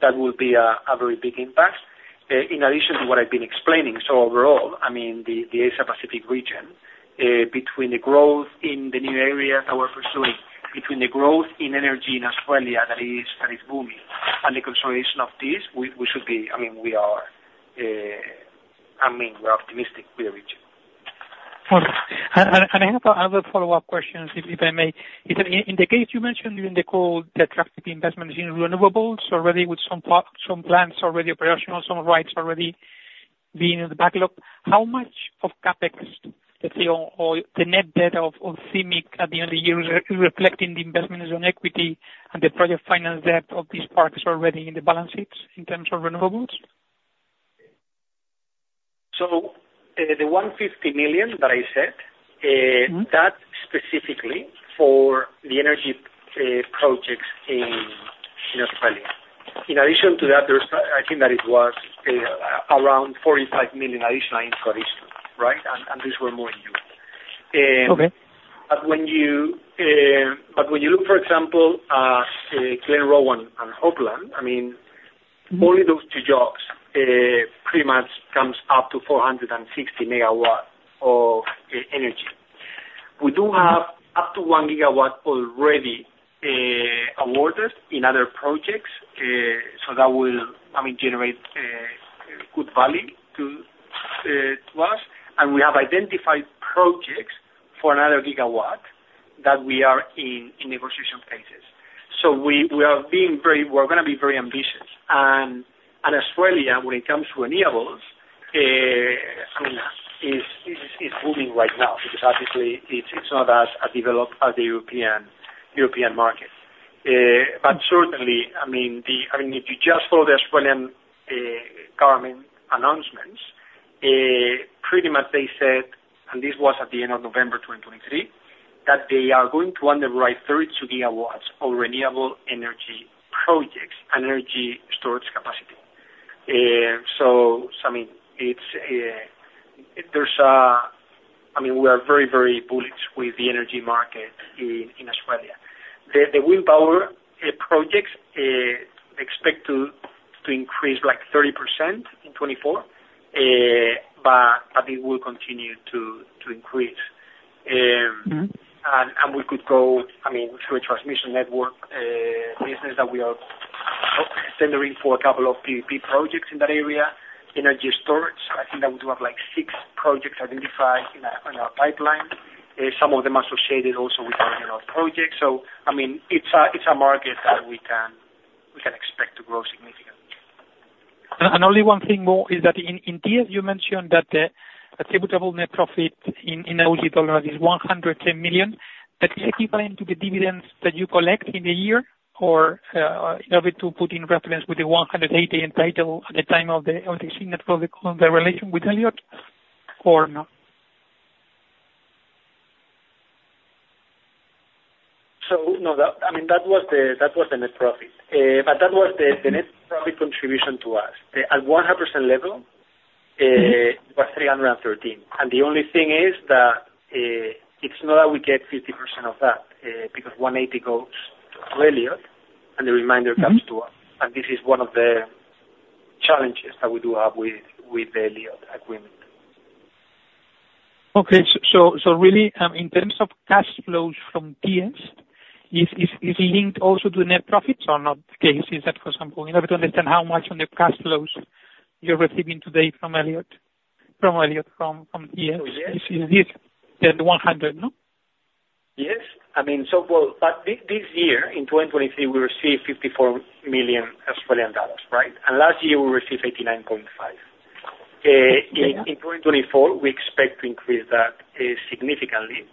that will be a very big impact in addition to what I've been explaining. So overall, I mean, the Asia Pacific region, between the growth in the new areas that we're pursuing, between the growth in energy in Australia, that is booming, and the consolidation of this, we should be—I mean, we are, I mean, we're optimistic for the region. And I have another follow-up question, if I may. In the case you mentioned during the call, the strategic investment in renewables already with some plants already operational, some rights already being in the backlog, how much of CapEx, let's say, or the net debt of CIMIC at the end of the year is reflecting the investment on equity and the project finance debt of these parks already in the balance sheets in terms of renewables? So, the 150 million that I said. Mm-hmm. That specifically for the energy projects in Australia. In addition to that, there's, I think, that it was around $45 million additional in traditional, right? And these were more in U.S. Okay. But when you look, for example, at Glenrowan and Hopeland, I mean- Mm-hmm. Only those two jobs pretty much comes up to 460 MW of energy. We do have up to 1 GW already awarded in other projects. So that will, I mean, generate good value to, to us. And we have identified projects for another 1 GW, that we are in, in negotiation phases. So we, we are being very, we're gonna be very ambitious. And, and Australia, when it comes to renewables, I mean, is, is, is booming right now, because obviously it's, it's not as, as developed as the European, European market. But certainly, I mean, the... I mean, if you just saw the Australian government announcements, pretty much they said, and this was at the end of November 2023, that they are going to underwrite 30 GW of renewable energy projects and energy storage capacity. I mean, we are very, very bullish with the energy market in Australia. The wind power projects expect to increase like 30% in 2024, but it will continue to increase. Mm-hmm. We could go, I mean, through a transmission network business that we are tendering for a couple of PPP projects in that area. Energy storage, I think that we do have, like, six projects identified in our pipeline. Some of them associated also with our projects. So, I mean, it's a market that we can expect to grow significantly. And only one thing more is that in Thiess, you mentioned that the attributable net profit in Aussie dollar is 110 million. That's equivalent to the dividends that you collect in a year or in order to put in reference with the 180 attributable at the time of the CIMIC net profit, the relation with Elliott, or no? So no, that, I mean, that was the net profit. But that was the net profit contribution to us. At 100% level. Mm-hmm. It was 313. The only thing is that, it's not that we get 50% of that, because 180 goes to Elliott, and the remainder comes to us. This is one of the challenges that we do have with the Elliott agreement. Okay. So really, in terms of cash flows from Thiess, is linked also to net profits or not the case? Is that, for example, in order to understand how much on the cash flows you're receiving today from Elliott, from Thiess- Oh, yes. Is this the 100, no? Yes. I mean, so well, but this year, in 2023, we received 54 million Australian dollars, right? And last year we received 89.5 million. Yeah. In 2024, we expect to increase that significantly,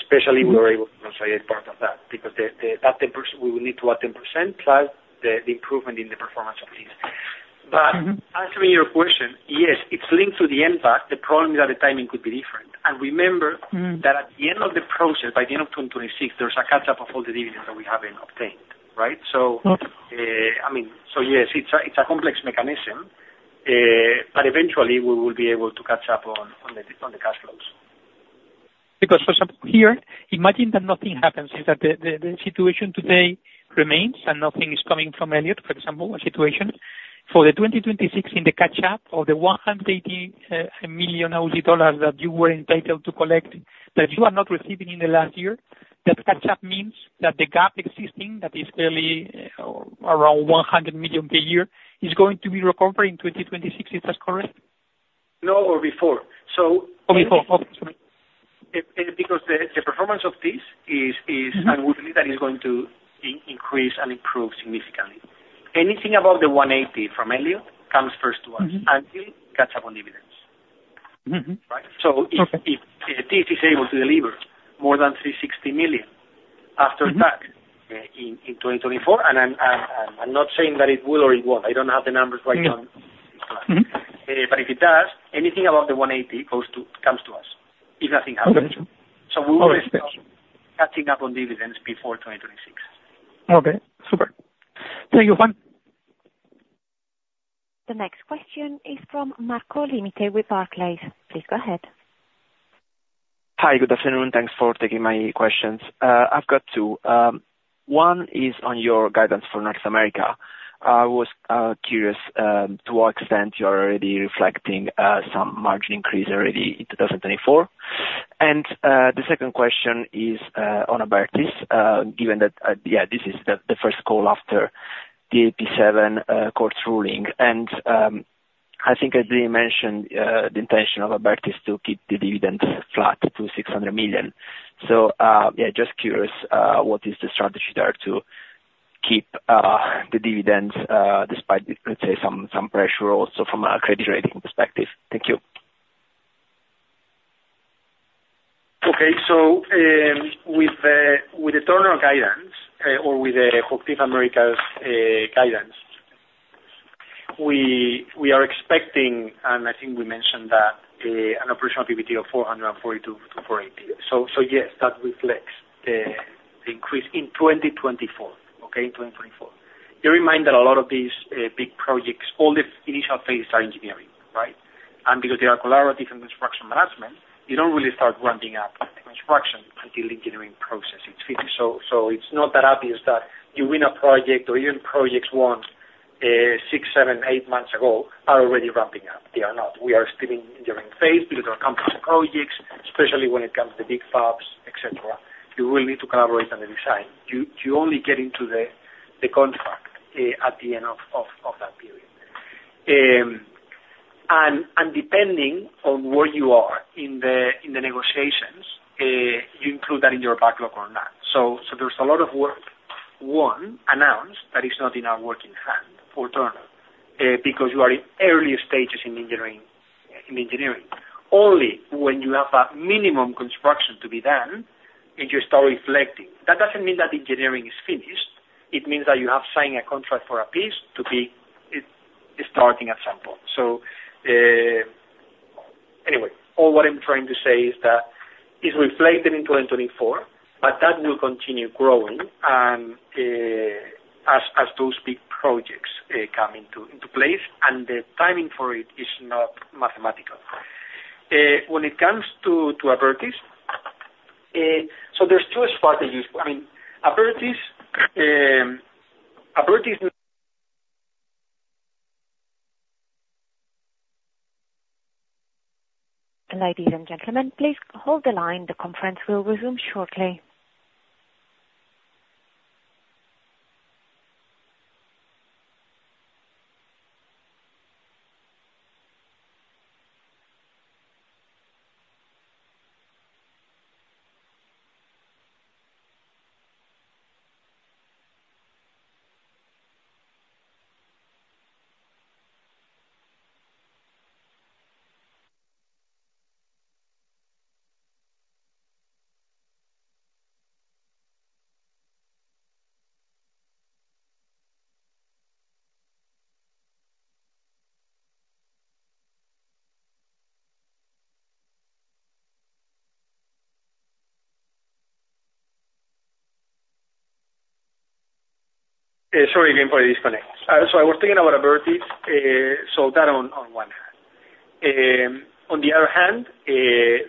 especially we are able to negotiate part of that, because that 10%, we will need to add 10%, plus the improvement in the performance of Thiess. Mm-hmm. But answering your question, yes, it's linked to the impact. The problem is that the timing could be different. And remember that at the end of the process, by the end of 2026, there's a catch-up of all the dividends that we haven't obtained, right? So- Mm-hmm. I mean, so yes, it's a complex mechanism, but eventually we will be able to catch-up on the cash flows. Because here, imagine that nothing happens, that the situation today remains, and nothing is coming from Elliott, for example, a situation. For the 2026 in the catch-up of the 180 million Aussie dollars that you were entitled to collect, that you are not receiving in the last year, that catch-up means that the gap existing, that is yearly, around 100 million per year, is going to be recovered in 2026. Is that correct? No, or before. So- Or before. Because the performance of Thiess is- Mm-hmm. We believe that it's going to increase and improve significantly. Anything above the 180 from Elliott comes first to us until we catch-up on dividends. Mm-hmm. Right? So if HOCHTIEF is able to deliver more than 360 million after tax in 2024, and I'm not saying that it will or it won't, I don't have the numbers right now. Mm-hmm. If it does, anything above the 180 goes to, comes to us, if nothing happens. Okay. We will be catching up on dividends before 2026. Okay, super. Thank you, Juan. The next question is from Marco Limite with Barclays. Please go ahead. Hi, good afternoon, thanks for taking my questions. I've got two. One is on your guidance for North America. I was curious to what extent you're already reflecting some margin increase already in 2024? And the second question is on Abertis, given that yeah, this is the first call after the AP-7 court ruling, and I think Adrian mentioned the intention of Abertis to keep the dividend flat to 600 million. So yeah, just curious what is the strategy there to keep the dividends despite, let's say, some pressure also from a credit rating perspective? Thank you. Okay. So, with the outlook guidance, or with the Americas guidance, we are expecting, and I think we mentioned that, an operational EBITDA of 442 for AP. So yes, that reflects the increase in 2024, okay? In 2024. Bear in mind that a lot of these big projects, all the initial phases are engineering, right? And because they are collaborative and construction management, you don't really start ramping up the construction until engineering process is finished. So it's not that obvious that you win a project or even projects won six, seven, eight months ago are already ramping up. They are not. We are still in engineering phase because our complex projects, especially when it comes to the big fabs, et cetera, you will need to collaborate on the design. You only get into the contract at the end of that period. Depending on where you are in the negotiations, you include that in your backlog or not. So there's a lot of work won announced that is not in our work in hand for Turner because you are in early stages in engineering. Only when you have a minimum construction to be done, and you start reflecting, that doesn't mean that engineering is finished. It means that you have signed a contract for a piece to be starting at some point. So anyway, all what I'm trying to say is that it's reflected in 2024, but that will continue growing, and as those big projects come into place, and the timing for it is not mathematical. When it comes to Abertis, so there's two strategies. I mean, Abertis, Abertis- Ladies and gentlemen, please hold the line. The conference will resume shortly. Sorry again for the disconnect. So I was thinking about Abertis, so that on one hand. On the other hand,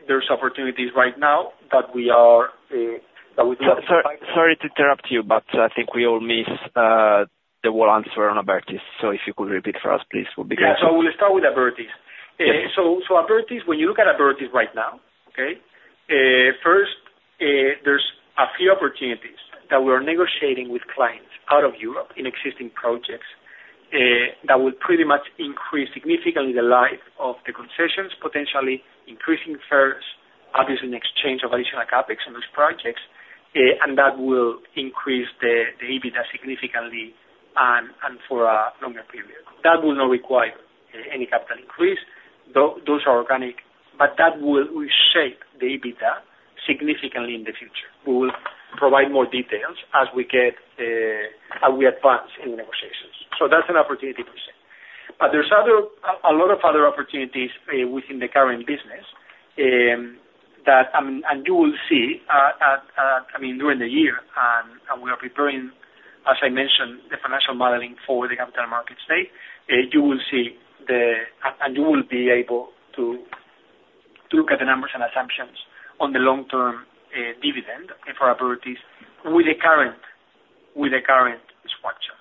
there's opportunities right now that we are, that we- Sorry, sorry to interrupt you, but I think we all missed the whole answer on Abertis. So if you could repeat for us, please, would be great. Yeah. So I will start with Abertis. Yeah. So, so Abertis, when you look at Abertis right now, okay? First, there's a few opportunities that we're negotiating with clients out of Europe in existing projects that will pretty much increase significantly the life of the concessions, potentially increasing fares, obviously in exchange of additional CapEx on those projects, and that will increase the, the EBITDA significantly and, and for a longer period. That will not require any capital increase. Those are organic, but that will shape the EBITDA significantly in the future. We will provide more details as we get, as we advance in the negotiations. So that's an opportunity per se. But there's other, a lot of other opportunities within the current business, that and you will see, I mean, during the year, and, and we are preparing, as I mentioned, the financial modeling for the Capital Markets Day. You will see the... And you will be able to, to look at the numbers and assumptions on the long-term, dividend for Abertis with the current, with the current structure.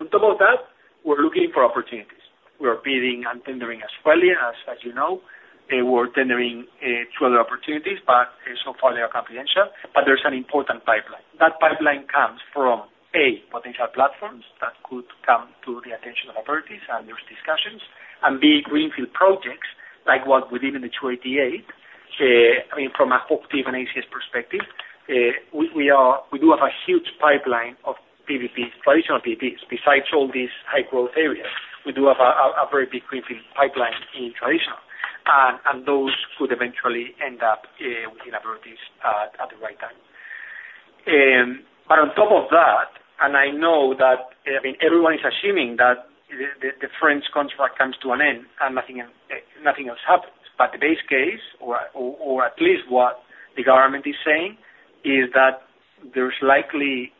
On top of that, we're looking for opportunities. We are bidding and tendering as well, as, as you know, and we're tendering to other opportunities, but so far they are confidential, but there's an important pipeline. That pipeline comes from, A, potential platforms that could come to the attention of Abertis, and there's discussions, and B, greenfield projects like what within the 288- I mean, from a PPP perspective, we are, we do have a huge pipeline of PPPs, traditional PPPs, besides all these high growth areas. We do have a very big greenfield pipeline in traditional, and those could eventually end up within PPPs at the right time. But on top of that, and I know that, I mean, everyone is assuming that the French contract comes to an end, and nothing else, nothing else happens. But the base case, or at least what the government is saying, is that there's likely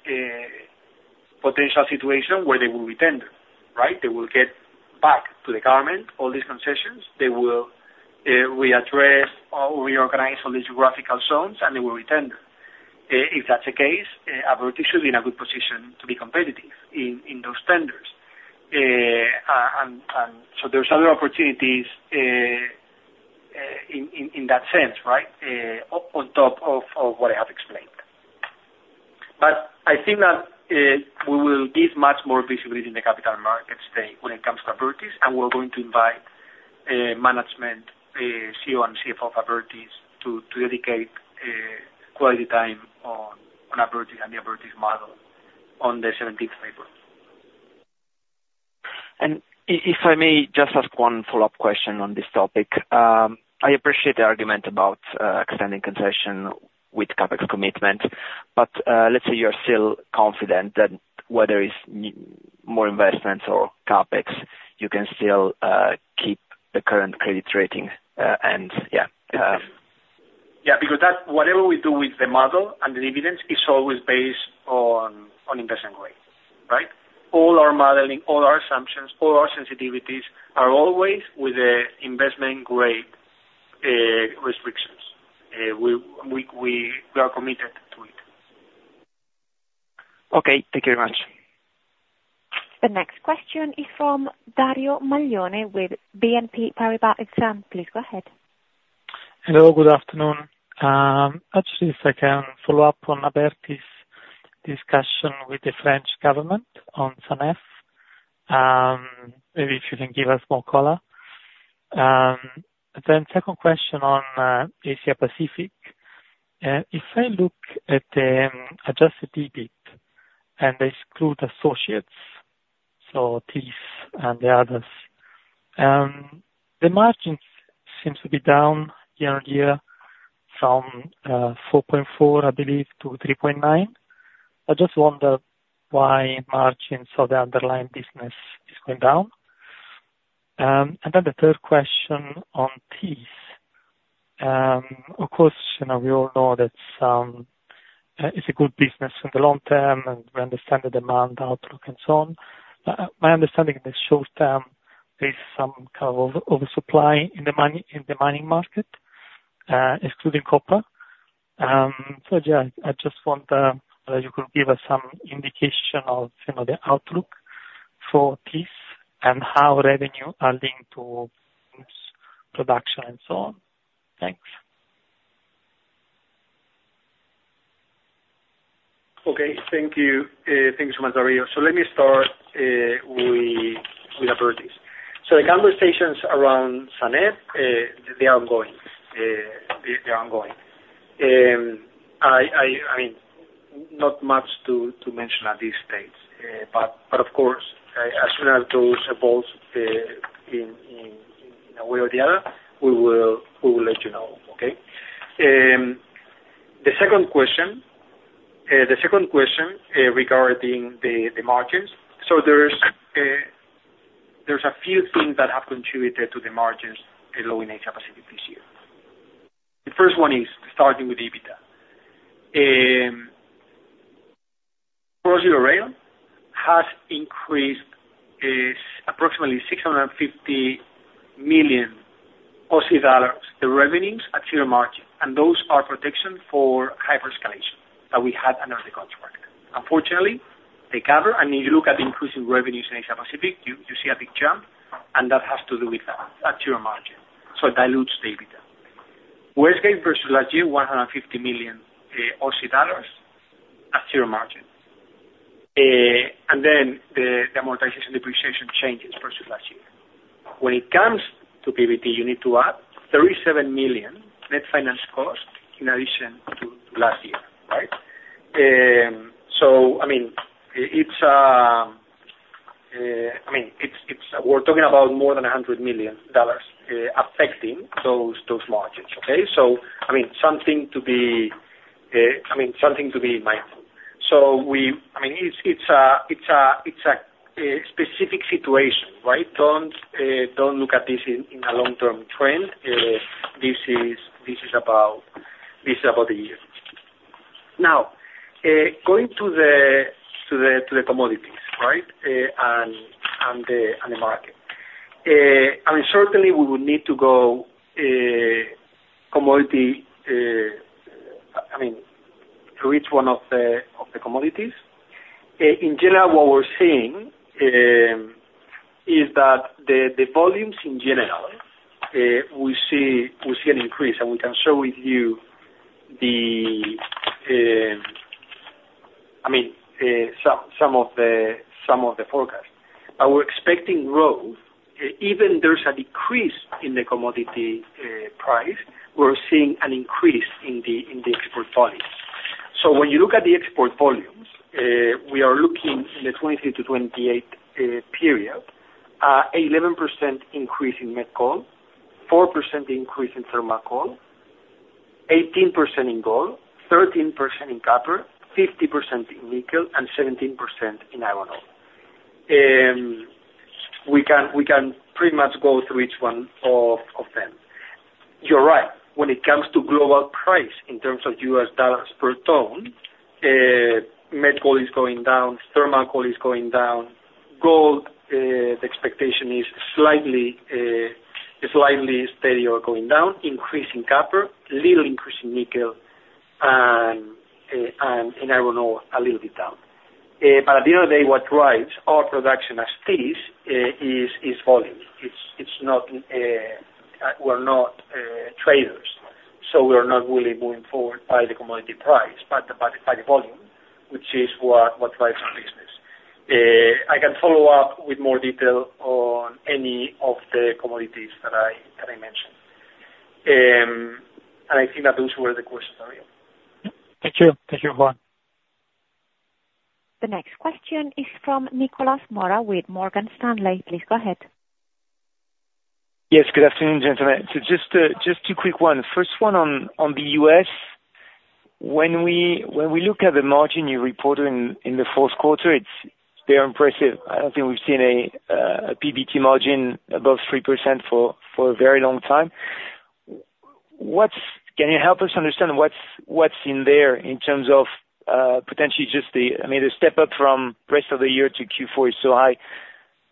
potential situation where they will re-tender, right? They will get back to the government all these concessions, they will readdress or reorganize all these geographical zones, and they will re-tender. If that's the case, Abertis should be in a good position to be competitive in those tenders. And so there's other opportunities in that sense, right? On top of what I have explained. But I think that we will give much more visibility in the Capital Markets Day when it comes to Abertis, and we're going to invite management, CEO and CFO of Abertis, to dedicate quality time on Abertis and the Abertis model on the seventeenth of April. If I may just ask one follow-up question on Thiess topic. I appreciate the argument about extending concession with CapEx commitment, but let's say you're still confident that whether it's more investments or CapEx, you can still keep the current credit rating, and yeah. Yeah, because that's whatever we do with the model and the dividends, it's always based on Investment Grade, right? All our modeling, all our assumptions, all our sensitivities are always with the Investment Grade restrictions. We are committed to it. Okay, thank you very much. The next question is from Dario Maglione, with BNP Paribas Exane. Please go ahead. Hello, good afternoon. Actually, if I can follow-up on Abertis discussion with the French government on Sanef. Maybe if you can give us more color. Then second question on Asia Pacific. If I look at the adjusted EBIT and they exclude associates, so Thiess and the others, the margins seems to be down year-on-year from 4.4, I believe, to 3.9. I just wonder why margins for the underlying business is going down? And then the third question on Thiess. Of course, you know, we all know that it's a good business in the long-term, and we understand the demand outlook and so on. But my understanding in the short-term, there is some kind of oversupply in the mining market, excluding copper. So yeah, I just want you could give us some indication of, you know, the outlook for Thiess, and how revenue are linked to production and so on. Thanks. Okay. Thank you. Thank you so much, Dario. So let me start with Abertis. So the conversations around Sanef they are ongoing. They're ongoing. I mean, not much to mention at this stage, but of course, as soon as those evolves in a way or the other, we will let you know. Okay? The second question regarding the margins. So there's a few things that have contributed to the margins low in Asia Pacific this year. The first one is starting with EBITDA. Brazil rail has increased approximately 650 million Aussie dollars, the revenues at zero margin, and those are protection for hyperinflation that we had under the contract. Unfortunately, they cover, and if you look at the increase in revenues in Asia Pacific, you see a big jump, and that has to do with that at zero margin, so it dilutes the EBITDA. West Gate versus last year, 150 million Aussie dollars at zero margin. And then the amortization depreciation changes versus last year. When it comes to PBT, you need to add 37 million net finance cost in addition to last year, right? So I mean, it's, we're talking about more than 100 million dollars affecting those margins, okay? So I mean, something to be mindful. So I mean, it's a specific situation, right? Don't look at this in a long-term trend. This is about a year. Now, going to the commodities, right? And the market. I mean, certainly we would need to go, commodity, I mean, to each one of the commodities. In general, what we're seeing is that the volumes in general, we see an increase, and we can share with you some of the forecast. But we're expecting growth, even there's a decrease in the commodity price, we're seeing an increase in the export volume. So when you look at the export volumes, we are looking in the 2023 to 2028 period, 11% increase in met coal, 4% increase in thermal coal, 18% in gold, 13% in copper, 50% in nickel, and 17% in iron ore. We can pretty much go through each one of them. You're right, when it comes to global price in terms of US dollars per tonne, met coal is going down, thermal coal is going down. Gold, the expectation is slightly steady or going down, increase in copper, little increase in nickel, and in iron ore, a little bit down. But at the end of the day, what drives our production as is, is volume. It's not, we're not traders, so we are not really moving forward by the commodity price, but by the volume, which is what drives our business. I can follow-up with more detail on any of the commodities that I mentioned. I think that those were the questions, are you? Thank you. Thank you, Juan. The next question is from Nicolas Mora with Morgan Stanley. Please go ahead. Yes, good afternoon, gentlemen. So just, just two quick ones. First one on, on the U.S. When we, when we look at the margin you reported in, in the fourth quarter, it's very impressive. I don't think we've seen a, a PBT margin above 3% for, for a very long time. What's... Can you help us understand what's, what's in there in terms of, potentially just the, I mean, the step up from rest of the year to Q4 is so high.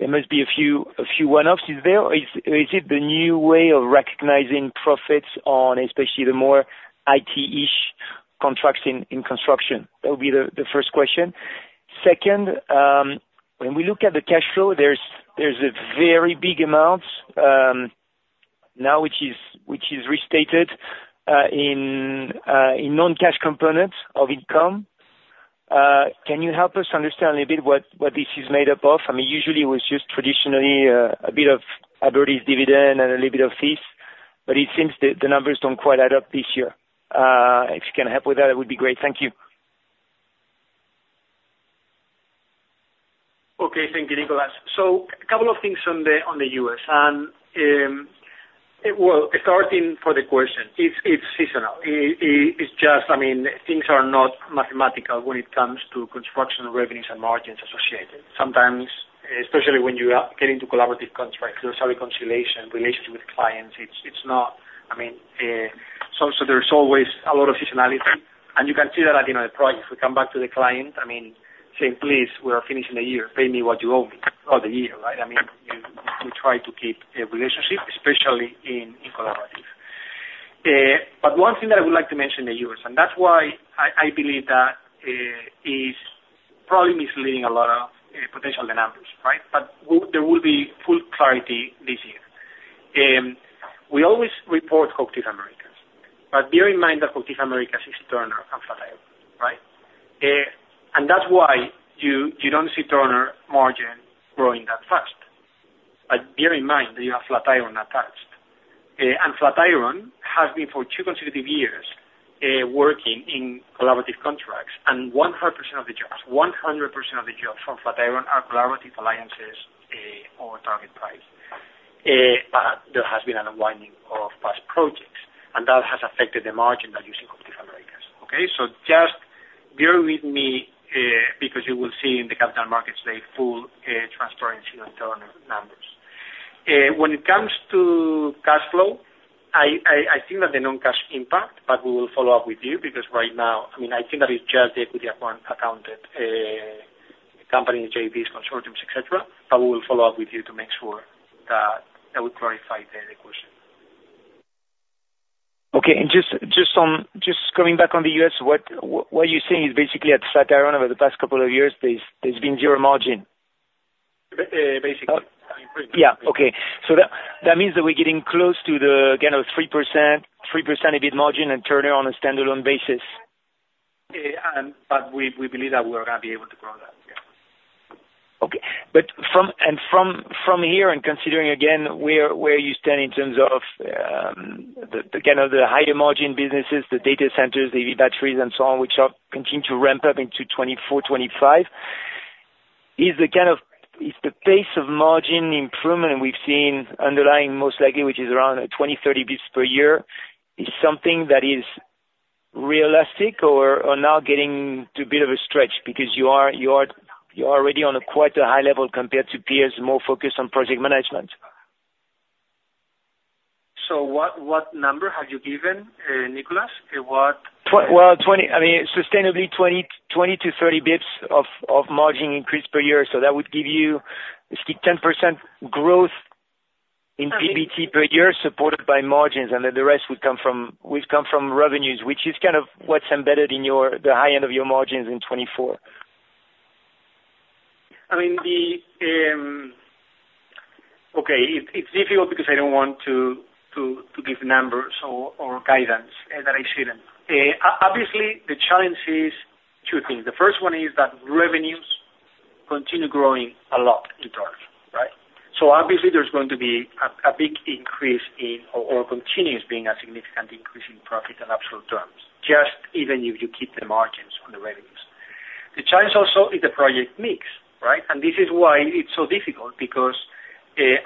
There must be a few, a few one-offs. Is there, or is, is it the new way of recognizing profits on especially the more IT-ish contracts in, in construction? That would be the, the first question. Second, when we look at the cash flow, there's a very big amount now, which is restated in non-cash components of income. Can you help us understand a little bit what this is made-up of? I mean, usually it was just traditionally a bit of Abertis's dividend and a little bit of fees, but it seems the numbers don't quite add up this year. If you can help with that, it would be great. Thank you. Okay. Thank you, Nicolas. So a couple of things on the U.S., and well, starting for the question, it's seasonal. It's just, I mean, things are not mathematical when it comes to construction revenues and margins associated. Sometimes, especially when you are getting to collaborative contracts, there's a reconciliation relationship with clients. It's not... I mean, so there's always a lot of seasonality, and you can see that at the end of the project. We come back to the client, I mean, saying, "Please, we are finishing the year. Pay me what you owe me for the year." Right? I mean, you- we try to keep a relationship, especially in collaborative. But one thing that I would like to mention in the U.S., and that's why I, I believe that, is probably misleading a lot of potential numbers, right? But there will be full clarity this year. We always report HOCHTIEF Americas, but bear in mind that HOCHTIEF Americas is Turner and Flatiron, right? And that's why you, you don't see Turner margin growing that fast. But bear in mind that you have Flatiron attached, and Flatiron has been for two consecutive years working in collaborative contracts, and 100% of the jobs, 100% of the jobs from Flatiron are collaborative alliances or target price. But there has been an unwinding of past projects, and that has affected the margin that using HOCHTIEF Americas. Okay, so just bear with me, because you will see in the Capital Markets Day full transparency on Turner numbers. When it comes to cash flow, I think that the non-cash impact, but we will follow-up with you, because right now, I mean, I think that it's just the equity accounted company, JVs, consortiums, et cetera, but we will follow-up with you to make sure that I would clarify the question. Okay. Just on... Just coming back on the U.S., what you're saying is basically at Flatiron over the past couple of years, there's been zero margin? Uh, basically. Yeah. Okay. So that, that means that we're getting close to the, again, a 3%, 3% EBIT margin and Turner on a standalone basis? Yeah, but we believe that we're gonna be able to grow that. Yeah. Okay. But from here and considering again where you stand in terms of, you know, the higher margin businesses, the data centers, the EV batteries, and so on, which are continuing to ramp-up into 2024, 2025, is the kind of pace of margin improvement we've seen underlying most likely, which is around 20, 30 basis points per year, something that is realistic or now getting to a bit of a stretch? Because you are already on quite a high level compared to peers more focused on project management. So what, what number have you given, Nicolas? What- Well, I mean, sustainably 20-30 basis points of margin increase per year, so that would give you 10% growth in PBT per year, supported by margins, and then the rest would come from, will come from revenues, which is kind of what's embedded in your- the high end of your margins in 2024. I mean, Okay, it's difficult because I don't want to give numbers or guidance that I shouldn't. Obviously, the challenge is two things. The first one is that revenues continue growing a lot in Turner, right? So obviously, there's going to be a big increase, or continues being a significant increase in profit and absolute terms, just even if you keep the margins on the revenues. The challenge also is the project mix, right? And this is why it's so difficult, because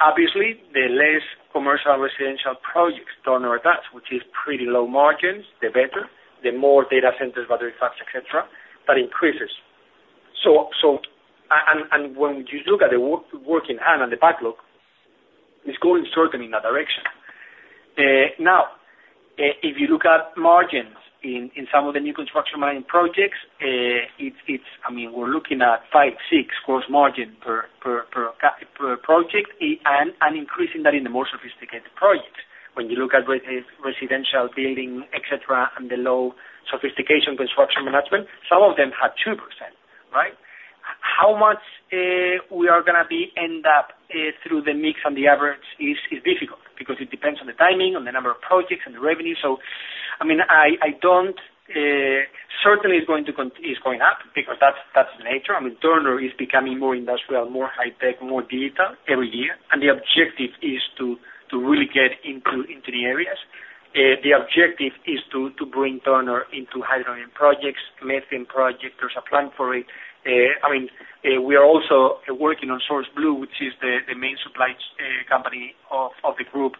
obviously, the less commercial residential projects Turner does, which is pretty low margins, the better. The more data centers, battery packs, et cetera, that increases. So and when you look at the work in hand on the backlog, it's going certainly in that direction. Now, if you look at margins in some of the new construction mining projects, it's. I mean, we're looking at 5%-6% gross margin per project, and increasing that in the more sophisticated projects. When you look at residential building, et cetera, and the low sophistication construction management, some of them have 2%, right? How much we are gonna be end up through the mix and the average is difficult, because it depends on the timing, on the number of projects and the revenue. So, I mean, I don't certainly it's going to it's going up because that's the nature. I mean, Turner is becoming more industrial, more high tech, more digital every year, and the objective is to really get into the areas. The objective is to bring Turner into hydrogen projects, methane projects. There's a plan for it. I mean, we are also working on SourceBlue, which is the main supply company of the group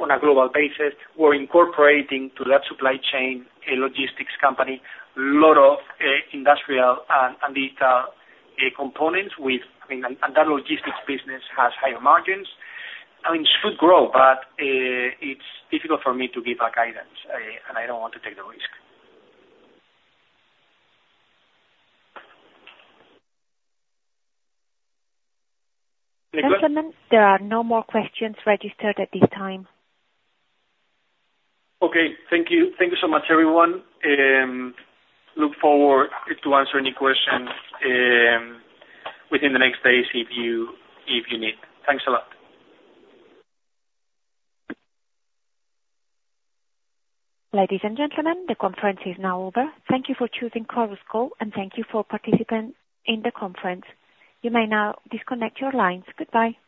on a global basis. We're incorporating to that supply chain a logistics company, lot of industrial and these components with, I mean, and that logistics business has higher margins. I mean, it should grow, but it's difficult for me to give a guidance, and I don't want to take the risk. Gentlemen, there are no more questions registered at this time. Okay. Thank you. Thank you so much, everyone. Look forward to answer any questions, within the next days if you, if you need. Thanks a lot. Ladies and gentlemen, the conference is now over. Thank you for choosing Chorus Call, and thank you for participating in the conference. You may now disconnect your lines. Goodbye.